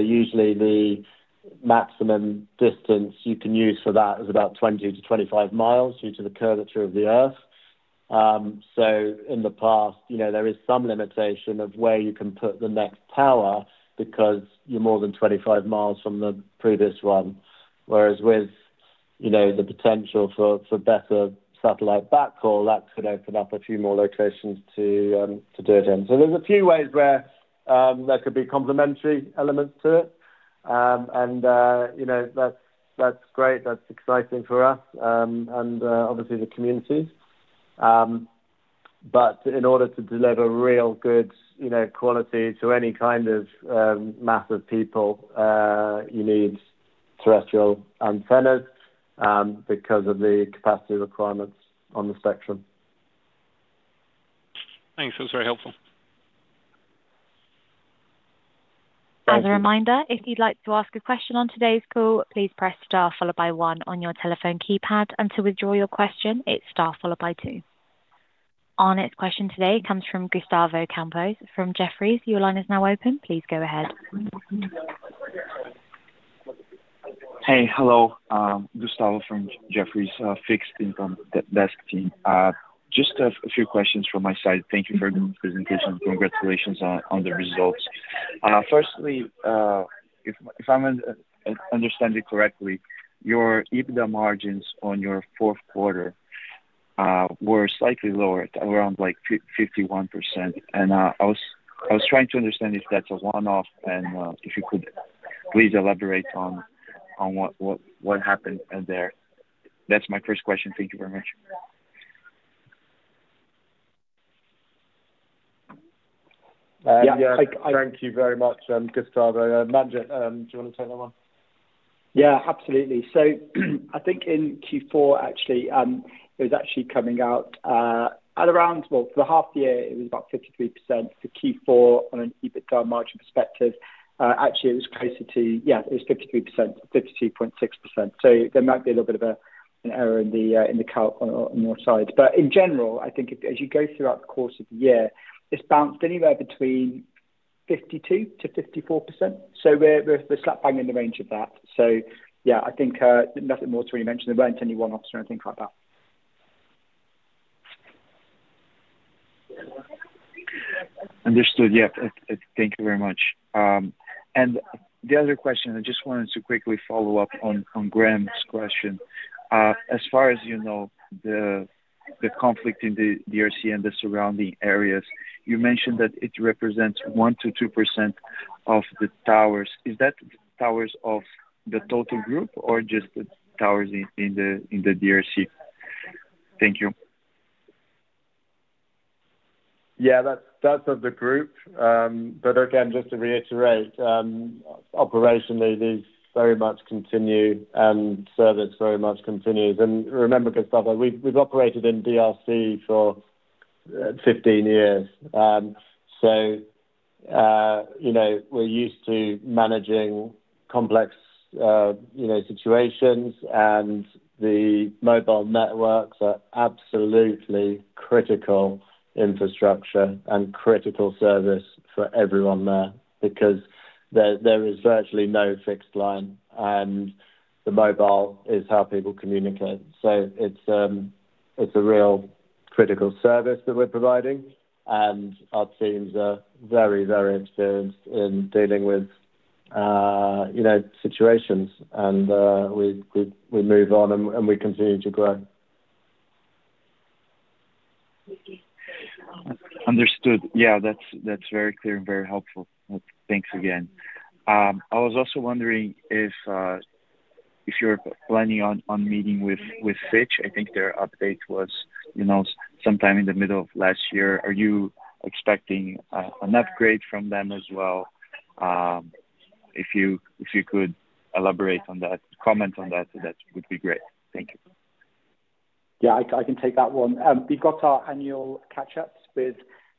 Usually, the maximum distance you can use for that is about 20 mi-25 mi due to the curvature of the Earth. In the past, there is some limitation of where you can put the next tower because you're more than 25 mi from the previous one. With the potential for better satellite backhaul, that could open up a few more locations to do it in. There are a few ways where there could be complementary elements to it. That's great. That's exciting for us and obviously the communities. But in order to deliver real good quality to any kind of mass of people, you need terrestrial antennas because of the capacity requirements on the spectrum. Thanks. That was very helpful. As a reminder, if you'd like to ask a question on today's call, please press star followed by one on your telephone keypad. To withdraw your question, it's star followed by two. Our next question today comes from Gustavo Campos from Jefferies. Your line is now open. Please go ahead. Hey, hello. Gustavo from Jefferies Fixed Income Desk team. Just a few questions from my side. Thank you for the presentation. Congratulations on the results. Firstly, if I'm understanding correctly, your EBITDA margins on your fourth quarter were slightly lower, around 51%. I was trying to understand if that's a one-off and if you could please elaborate on what happened there. That's my first question. Thank you very much. Yeah, thank you very much, Gustavo. Manjit, do you want to take that one? Yeah, absolutely. I think in Q4, actually, it was actually coming out at around, well, for the half year, it was about 53% for Q4 on an EBITDA margin perspective. Actually, it was closer to, yeah, it was 53%, 52.6%. There might be a little bit of an error in the calc on your side. In general, I think as you go throughout the course of the year, it's bounced anywhere between 52%-54%. We're slap bang in the range of that. Yeah, I think nothing more to really mention. There weren't any one-offs or anything like that. Understood. Yeah, thank you very much. The other question, I just wanted to quickly follow up on Graham's question. As far as you know, the conflict in DRC and the surrounding areas, you mentioned that it represents 1%-2% of the towers. Is that towers of the total group or just the towers in the DRC? Thank you. Yeah, that's of the group. Just to reiterate, operationally these very much continue and service very much continues. Remember, Gustavo, we've operated in DRC for 15 years. We're used to managing complex situations, and the mobile networks are absolutely critical infrastructure and critical service for everyone there because there is virtually no fixed line, and the mobile is how people communicate. It's a real critical service that we're providing, and our teams are very, very experienced in dealing with situations. We move on, and we continue to grow. Understood. Yeah, that's very clear and very helpful. Thanks again. I was also wondering if you're planning on meeting with Fitch. I think their update was sometime in the middle of last year. Are you expecting an upgrade from them as well? If you could elaborate on that, comment on that, that would be great. Thank you. Yeah, I can take that one. We've got our annual catch-ups with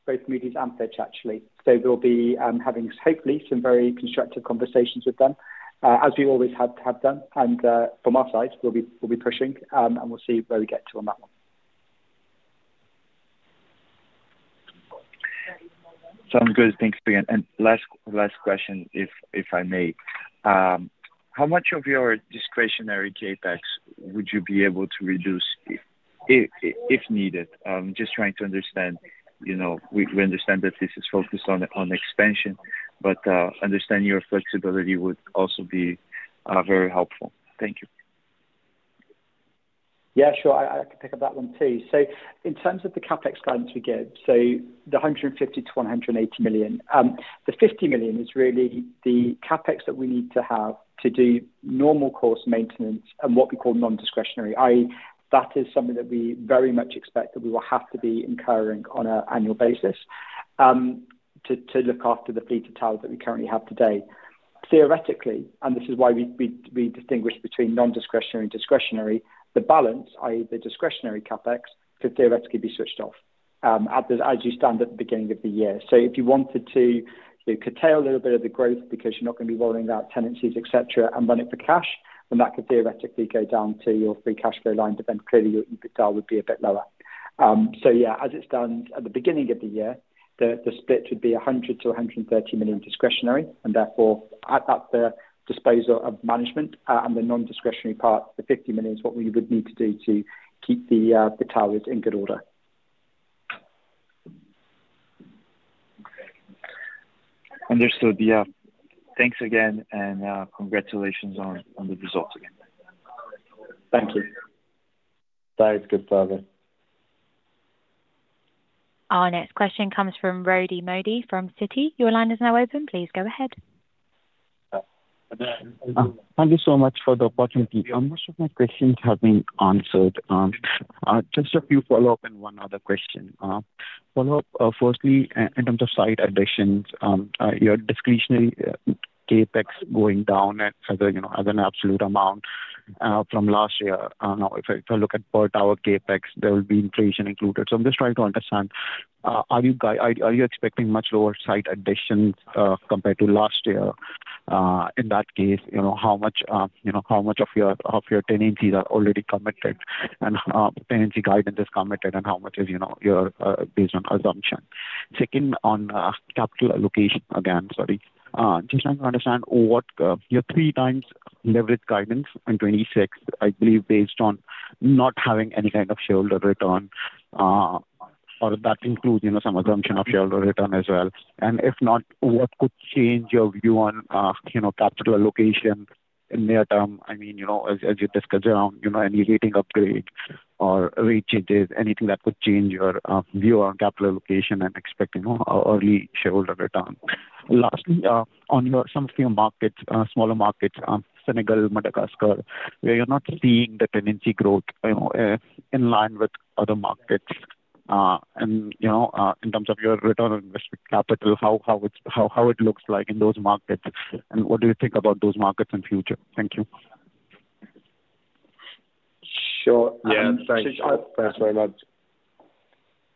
both Moody's and Fitch, actually. So we'll be having hopefully some very constructive conversations with them, as we always have done. From our side, we'll be pushing, and we'll see where we get to on that one. Sounds good. Thanks again. Last question, if I may. How much of your discretionary CapEx would you be able to reduce if needed? I'm just trying to understand. We understand that this is focused on expansion, but understanding your flexibility would also be very helpful. Thank you. Yeah, sure. I can pick up that one too. In terms of the CapEx guidance we give, the $150 million-$180 million, the $50 million is really the CapEx that we need to have to do normal cost maintenance and what we call non-discretionary. That is something that we very much expect that we will have to be incurring on an annual basis to look after the fleet of towers that we currently have today. Theoretically, and this is why we distinguish between non-discretionary and discretionary, the balance, i.e., the discretionary CapEx, could theoretically be switched off as you stand at the beginning of the year. If you wanted to curtail a little bit of the growth because you're not going to be rolling out tenancies, etc., and run it for cash, that could theoretically go down to your free cash flow line. Clearly your EBITDA would be a bit lower. As it stands at the beginning of the year, the split would be $100 million-$130 million discretionary. Therefore, at that disposal of management, and the non-discretionary part, the $50 million is what we would need to do to keep the towers in good order. Understood. Thanks again, and congratulations on the results again. Thank you. Thanks, Gustavo. Our next question comes from Rohit Modi from Citi. Your line is now open. Please go ahead. Thank you so much for the opportunity. Most of my questions have been answered. Just a few follow-up and one other question. Follow-up, firstly, in terms of site additions, your discretionary CapEx going down as an absolute amount from last year. Now, if I look at per tower CapEx, there will be inflation included. I am just trying to understand, are you expecting much lower site additions compared to last year? In that case, how much of your tenancies are already committed and tenancy guidance is committed, and how much is based on assumption? Second, on capital allocation again, sorry. Just trying to understand with your three times leverage guidance in 2026, I believe, based on not having any kind of shareholder return, or that includes some assumption of shareholder return as well. If not, what could change your view on capital allocation in the near term? I mean, as you discussed around any rating upgrade or rate changes, anything that could change your view on capital allocation and expecting early shareholder return. Lastly, on some of your markets, smaller markets, Senegal, Madagascar, where you're not seeing the tenancy growth in line with other markets. And in terms of your return on investment capital, how it looks like in those markets, and what do you think about those markets in the future? Thank you. Sure. Thanks very much.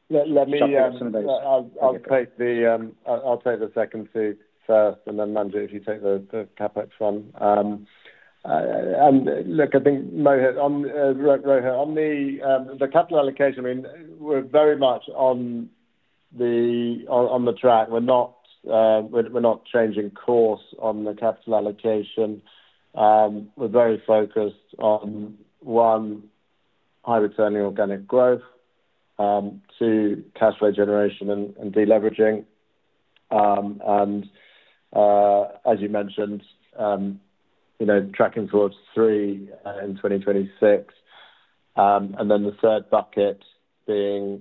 Let me take the—I’ll take the second two first, and then Manjit, if you take the CapEx one. Look, I think Rohit, on the capital allocation, I mean, we're very much on the track. We're not changing course on the capital allocation. We're very focused on, one, high-returning organic growth, two, cash flow generation and deleveraging. As you mentioned, tracking towards three in 2026. The third bucket is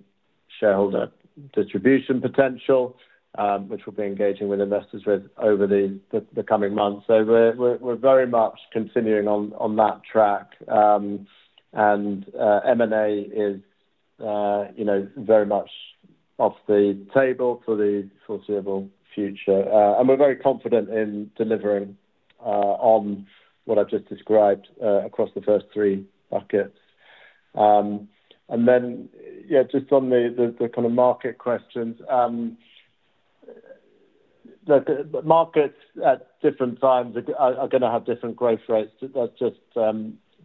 shareholder distribution potential, which we'll be engaging with investors with over the coming months. We're very much continuing on that track. M&A is very much off the table for the foreseeable future. We're very confident in delivering on what I've just described across the first three buckets. Just on the kind of market questions, look, markets at different times are going to have different growth rates. That's just a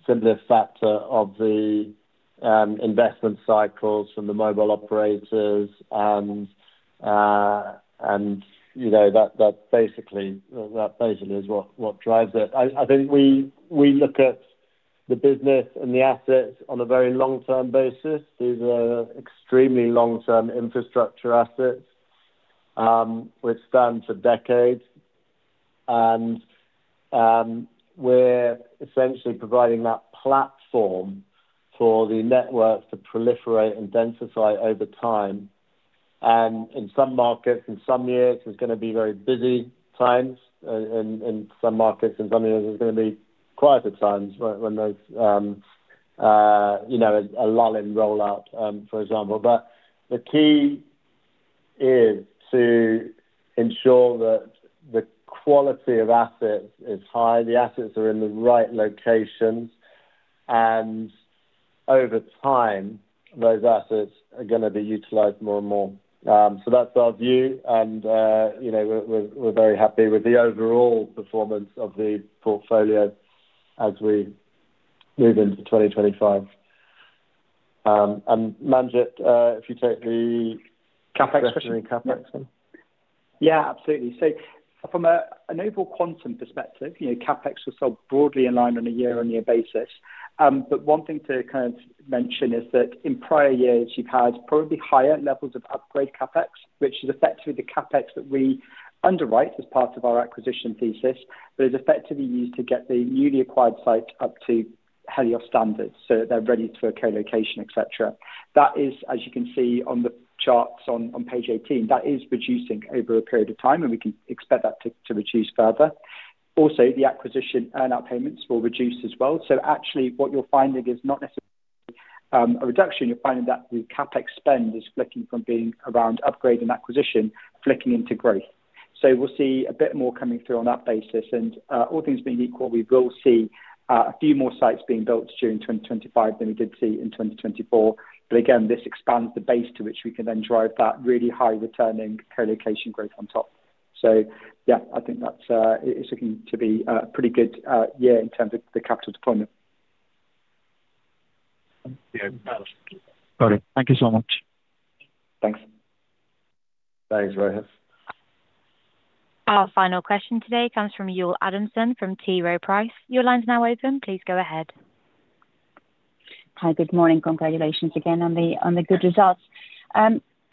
simple factor of the investment cycles from the mobile operators. That basically is what drives it. I think we look at the business and the assets on a very long-term basis. These are extremely long-term infrastructure assets, which stand for decades. We're essentially providing that platform for the network to proliferate and densify over time. In some markets, in some years, it's going to be very busy times. In some markets, in some years, it's going to be quieter times when there's a lull in rollout, for example. The key is to ensure that the quality of assets is high, the assets are in the right locations, and over time, those assets are going to be utilized more and more. That's our view. We're very happy with the overall performance of the portfolio as we move into 2025. Manjit, if you take the discretionary CapEx one. Yeah, absolutely. From an overall quantum perspective, CapEx was still broadly aligned on a year-on-year basis. One thing to kind of mention is that in prior years, you've had probably higher levels of upgrade CapEx, which is effectively the CapEx that we underwrite as part of our acquisition thesis, but is effectively used to get the newly acquired sites up to Helios Towers standards so that they're ready for co-location, etc. That is, as you can see on the charts on page 18, that is reducing over a period of time, and we can expect that to reduce further. Also, the acquisition earn-out payments will reduce as well. Actually, what you're finding is not necessarily a reduction. You're finding that the CapEx spend is flicking from being around upgrade and acquisition, flicking into growth. We'll see a bit more coming through on that basis. All things being equal, we will see a few more sites being built during 2025 than we did see in 2024. Again, this expands the base to which we can then drive that really high-returning co-location growth on top. Yeah, I think it's looking to be a pretty good year in terms of the capital deployment. Thank you so much. Thanks. Thanks, Rohit. Our final question today comes from Ulle Adamson from T. Rowe Price. Your line's now open. Please go ahead. Hi, good morning. Congratulations again on the good results.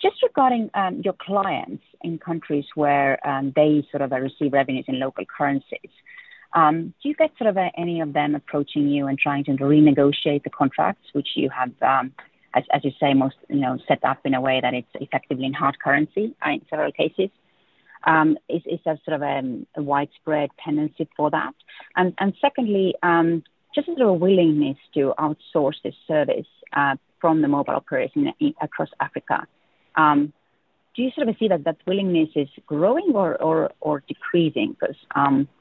Just regarding your clients in countries where they sort of receive revenues in local currencies, do you get sort of any of them approaching you and trying to renegotiate the contracts, which you have, as you say, most set up in a way that it's effectively in hard currency in several cases? Is there sort of a widespread tendency for that? Secondly, just sort of a willingness to outsource this service from the mobile operators across Africa. Do you sort of see that that willingness is growing or decreasing? Because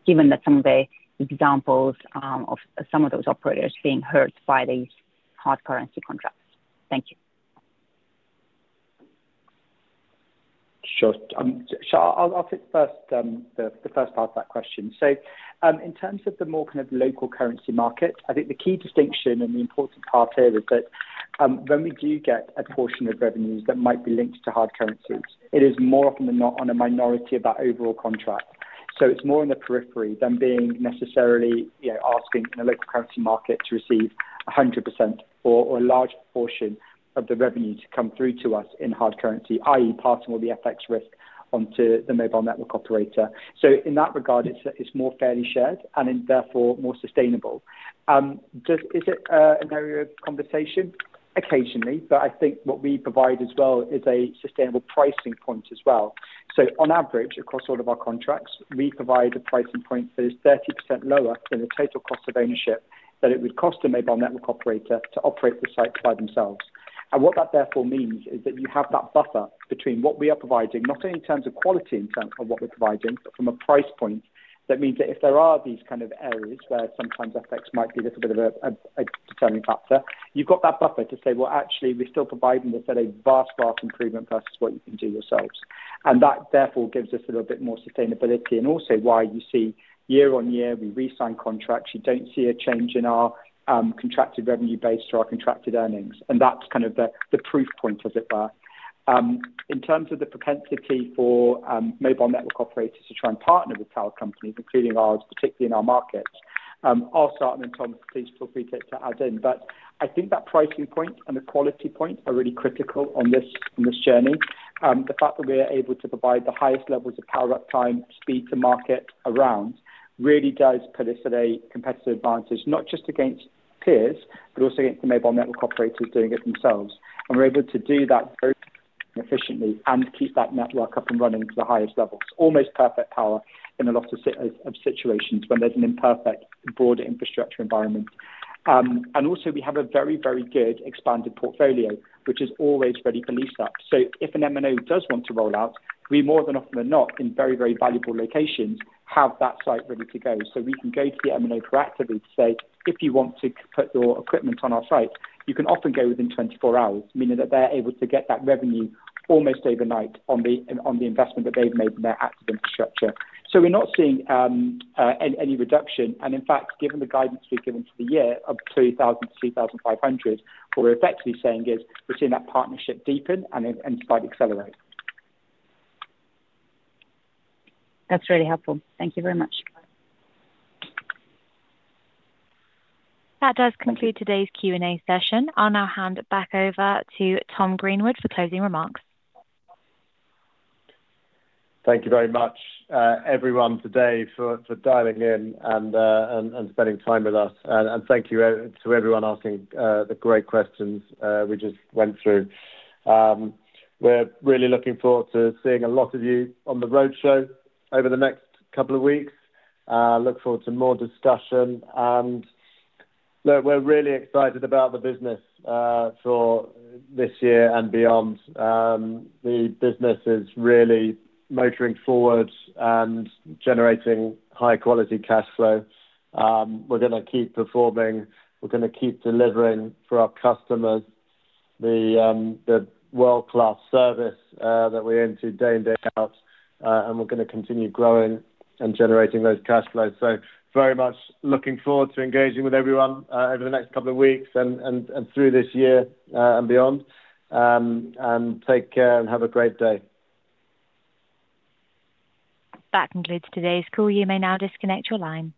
given some of the examples of some of those operators being hurt by these hard currency contracts. Thank you. Sure. I'll take first the first part of that question. In terms of the more kind of local currency market, I think the key distinction and the important part here is that when we do get a portion of revenues that might be linked to hard currencies, it is more often than not on a minority of that overall contract. It is more in the periphery than being necessarily asking in a local currency market to receive 100% or a large portion of the revenue to come through to us in hard currency, i.e., passing all the FX risk onto the mobile network operator. In that regard, it is more fairly shared and therefore more sustainable. Is it an area of conversation? Occasionally, but I think what we provide as well is a sustainable pricing point as well. On average, across all of our contracts, we provide a pricing point that is 30% lower than the total cost of ownership that it would cost a mobile network operator to operate the sites by themselves. What that therefore means is that you have that buffer between what we are providing, not only in terms of quality in terms of what we are providing, but from a price point. That means that if there are these kind of areas where sometimes FX might be a little bit of a determining factor, you have got that buffer to say, "Well, actually, we are still providing this at a vast, vast improvement versus what you can do yourselves." That therefore gives us a little bit more sustainability. Also, why you see year on year, we re-sign contracts. You do not see a change in our contracted revenue base or our contracted earnings. That is kind of the proof point, as it were. In terms of the propensity for mobile network operators to try and partner with tower companies, including ours, particularly in our markets, I will start, and then Tom, please feel free to add in. I think that pricing point and the quality point are really critical on this journey. The fact that we are able to provide the highest levels of power-up time speed to market around really does proliferate competitive advantage, not just against peers, but also against the mobile network operators doing it themselves. We are able to do that very efficiently and keep that network up and running to the highest levels. Almost perfect power in a lot of situations when there is an imperfect broader infrastructure environment. We have a very, very good expanded portfolio, which is always ready for lease-up. If an MNO does want to roll out, we more often than not, in very, very valuable locations, have that site ready to go. We can go to the MNO proactively to say, "If you want to put your equipment on our site, you can often go within 24 hours," meaning that they're able to get that revenue almost overnight on the investment that they've made in their active infrastructure. We're not seeing any reduction. In fact, given the guidance we've given for the year of 3,000-3,500, what we're effectively saying is we're seeing that partnership deepen and slightly accelerate. That's really helpful. Thank you very much. That does conclude today's Q&A session. I'll now hand it back over to Tom Greenwood for closing remarks. Thank you very much, everyone today, for dialing in and spending time with us. Thank you to everyone asking the great questions we just went through. We're really looking forward to seeing a lot of you on the roadshow over the next couple of weeks. Look forward to more discussion. We're really excited about the business for this year and beyond. The business is really motoring forward and generating high-quality cash flow. We're going to keep performing. We're going to keep delivering for our customers the world-class service that we aim to day in, day out. We're going to continue growing and generating those cash flows. Very much looking forward to engaging with everyone over the next couple of weeks and through this year and beyond. Take care and have a great day. That concludes today's call. You may now disconnect your line.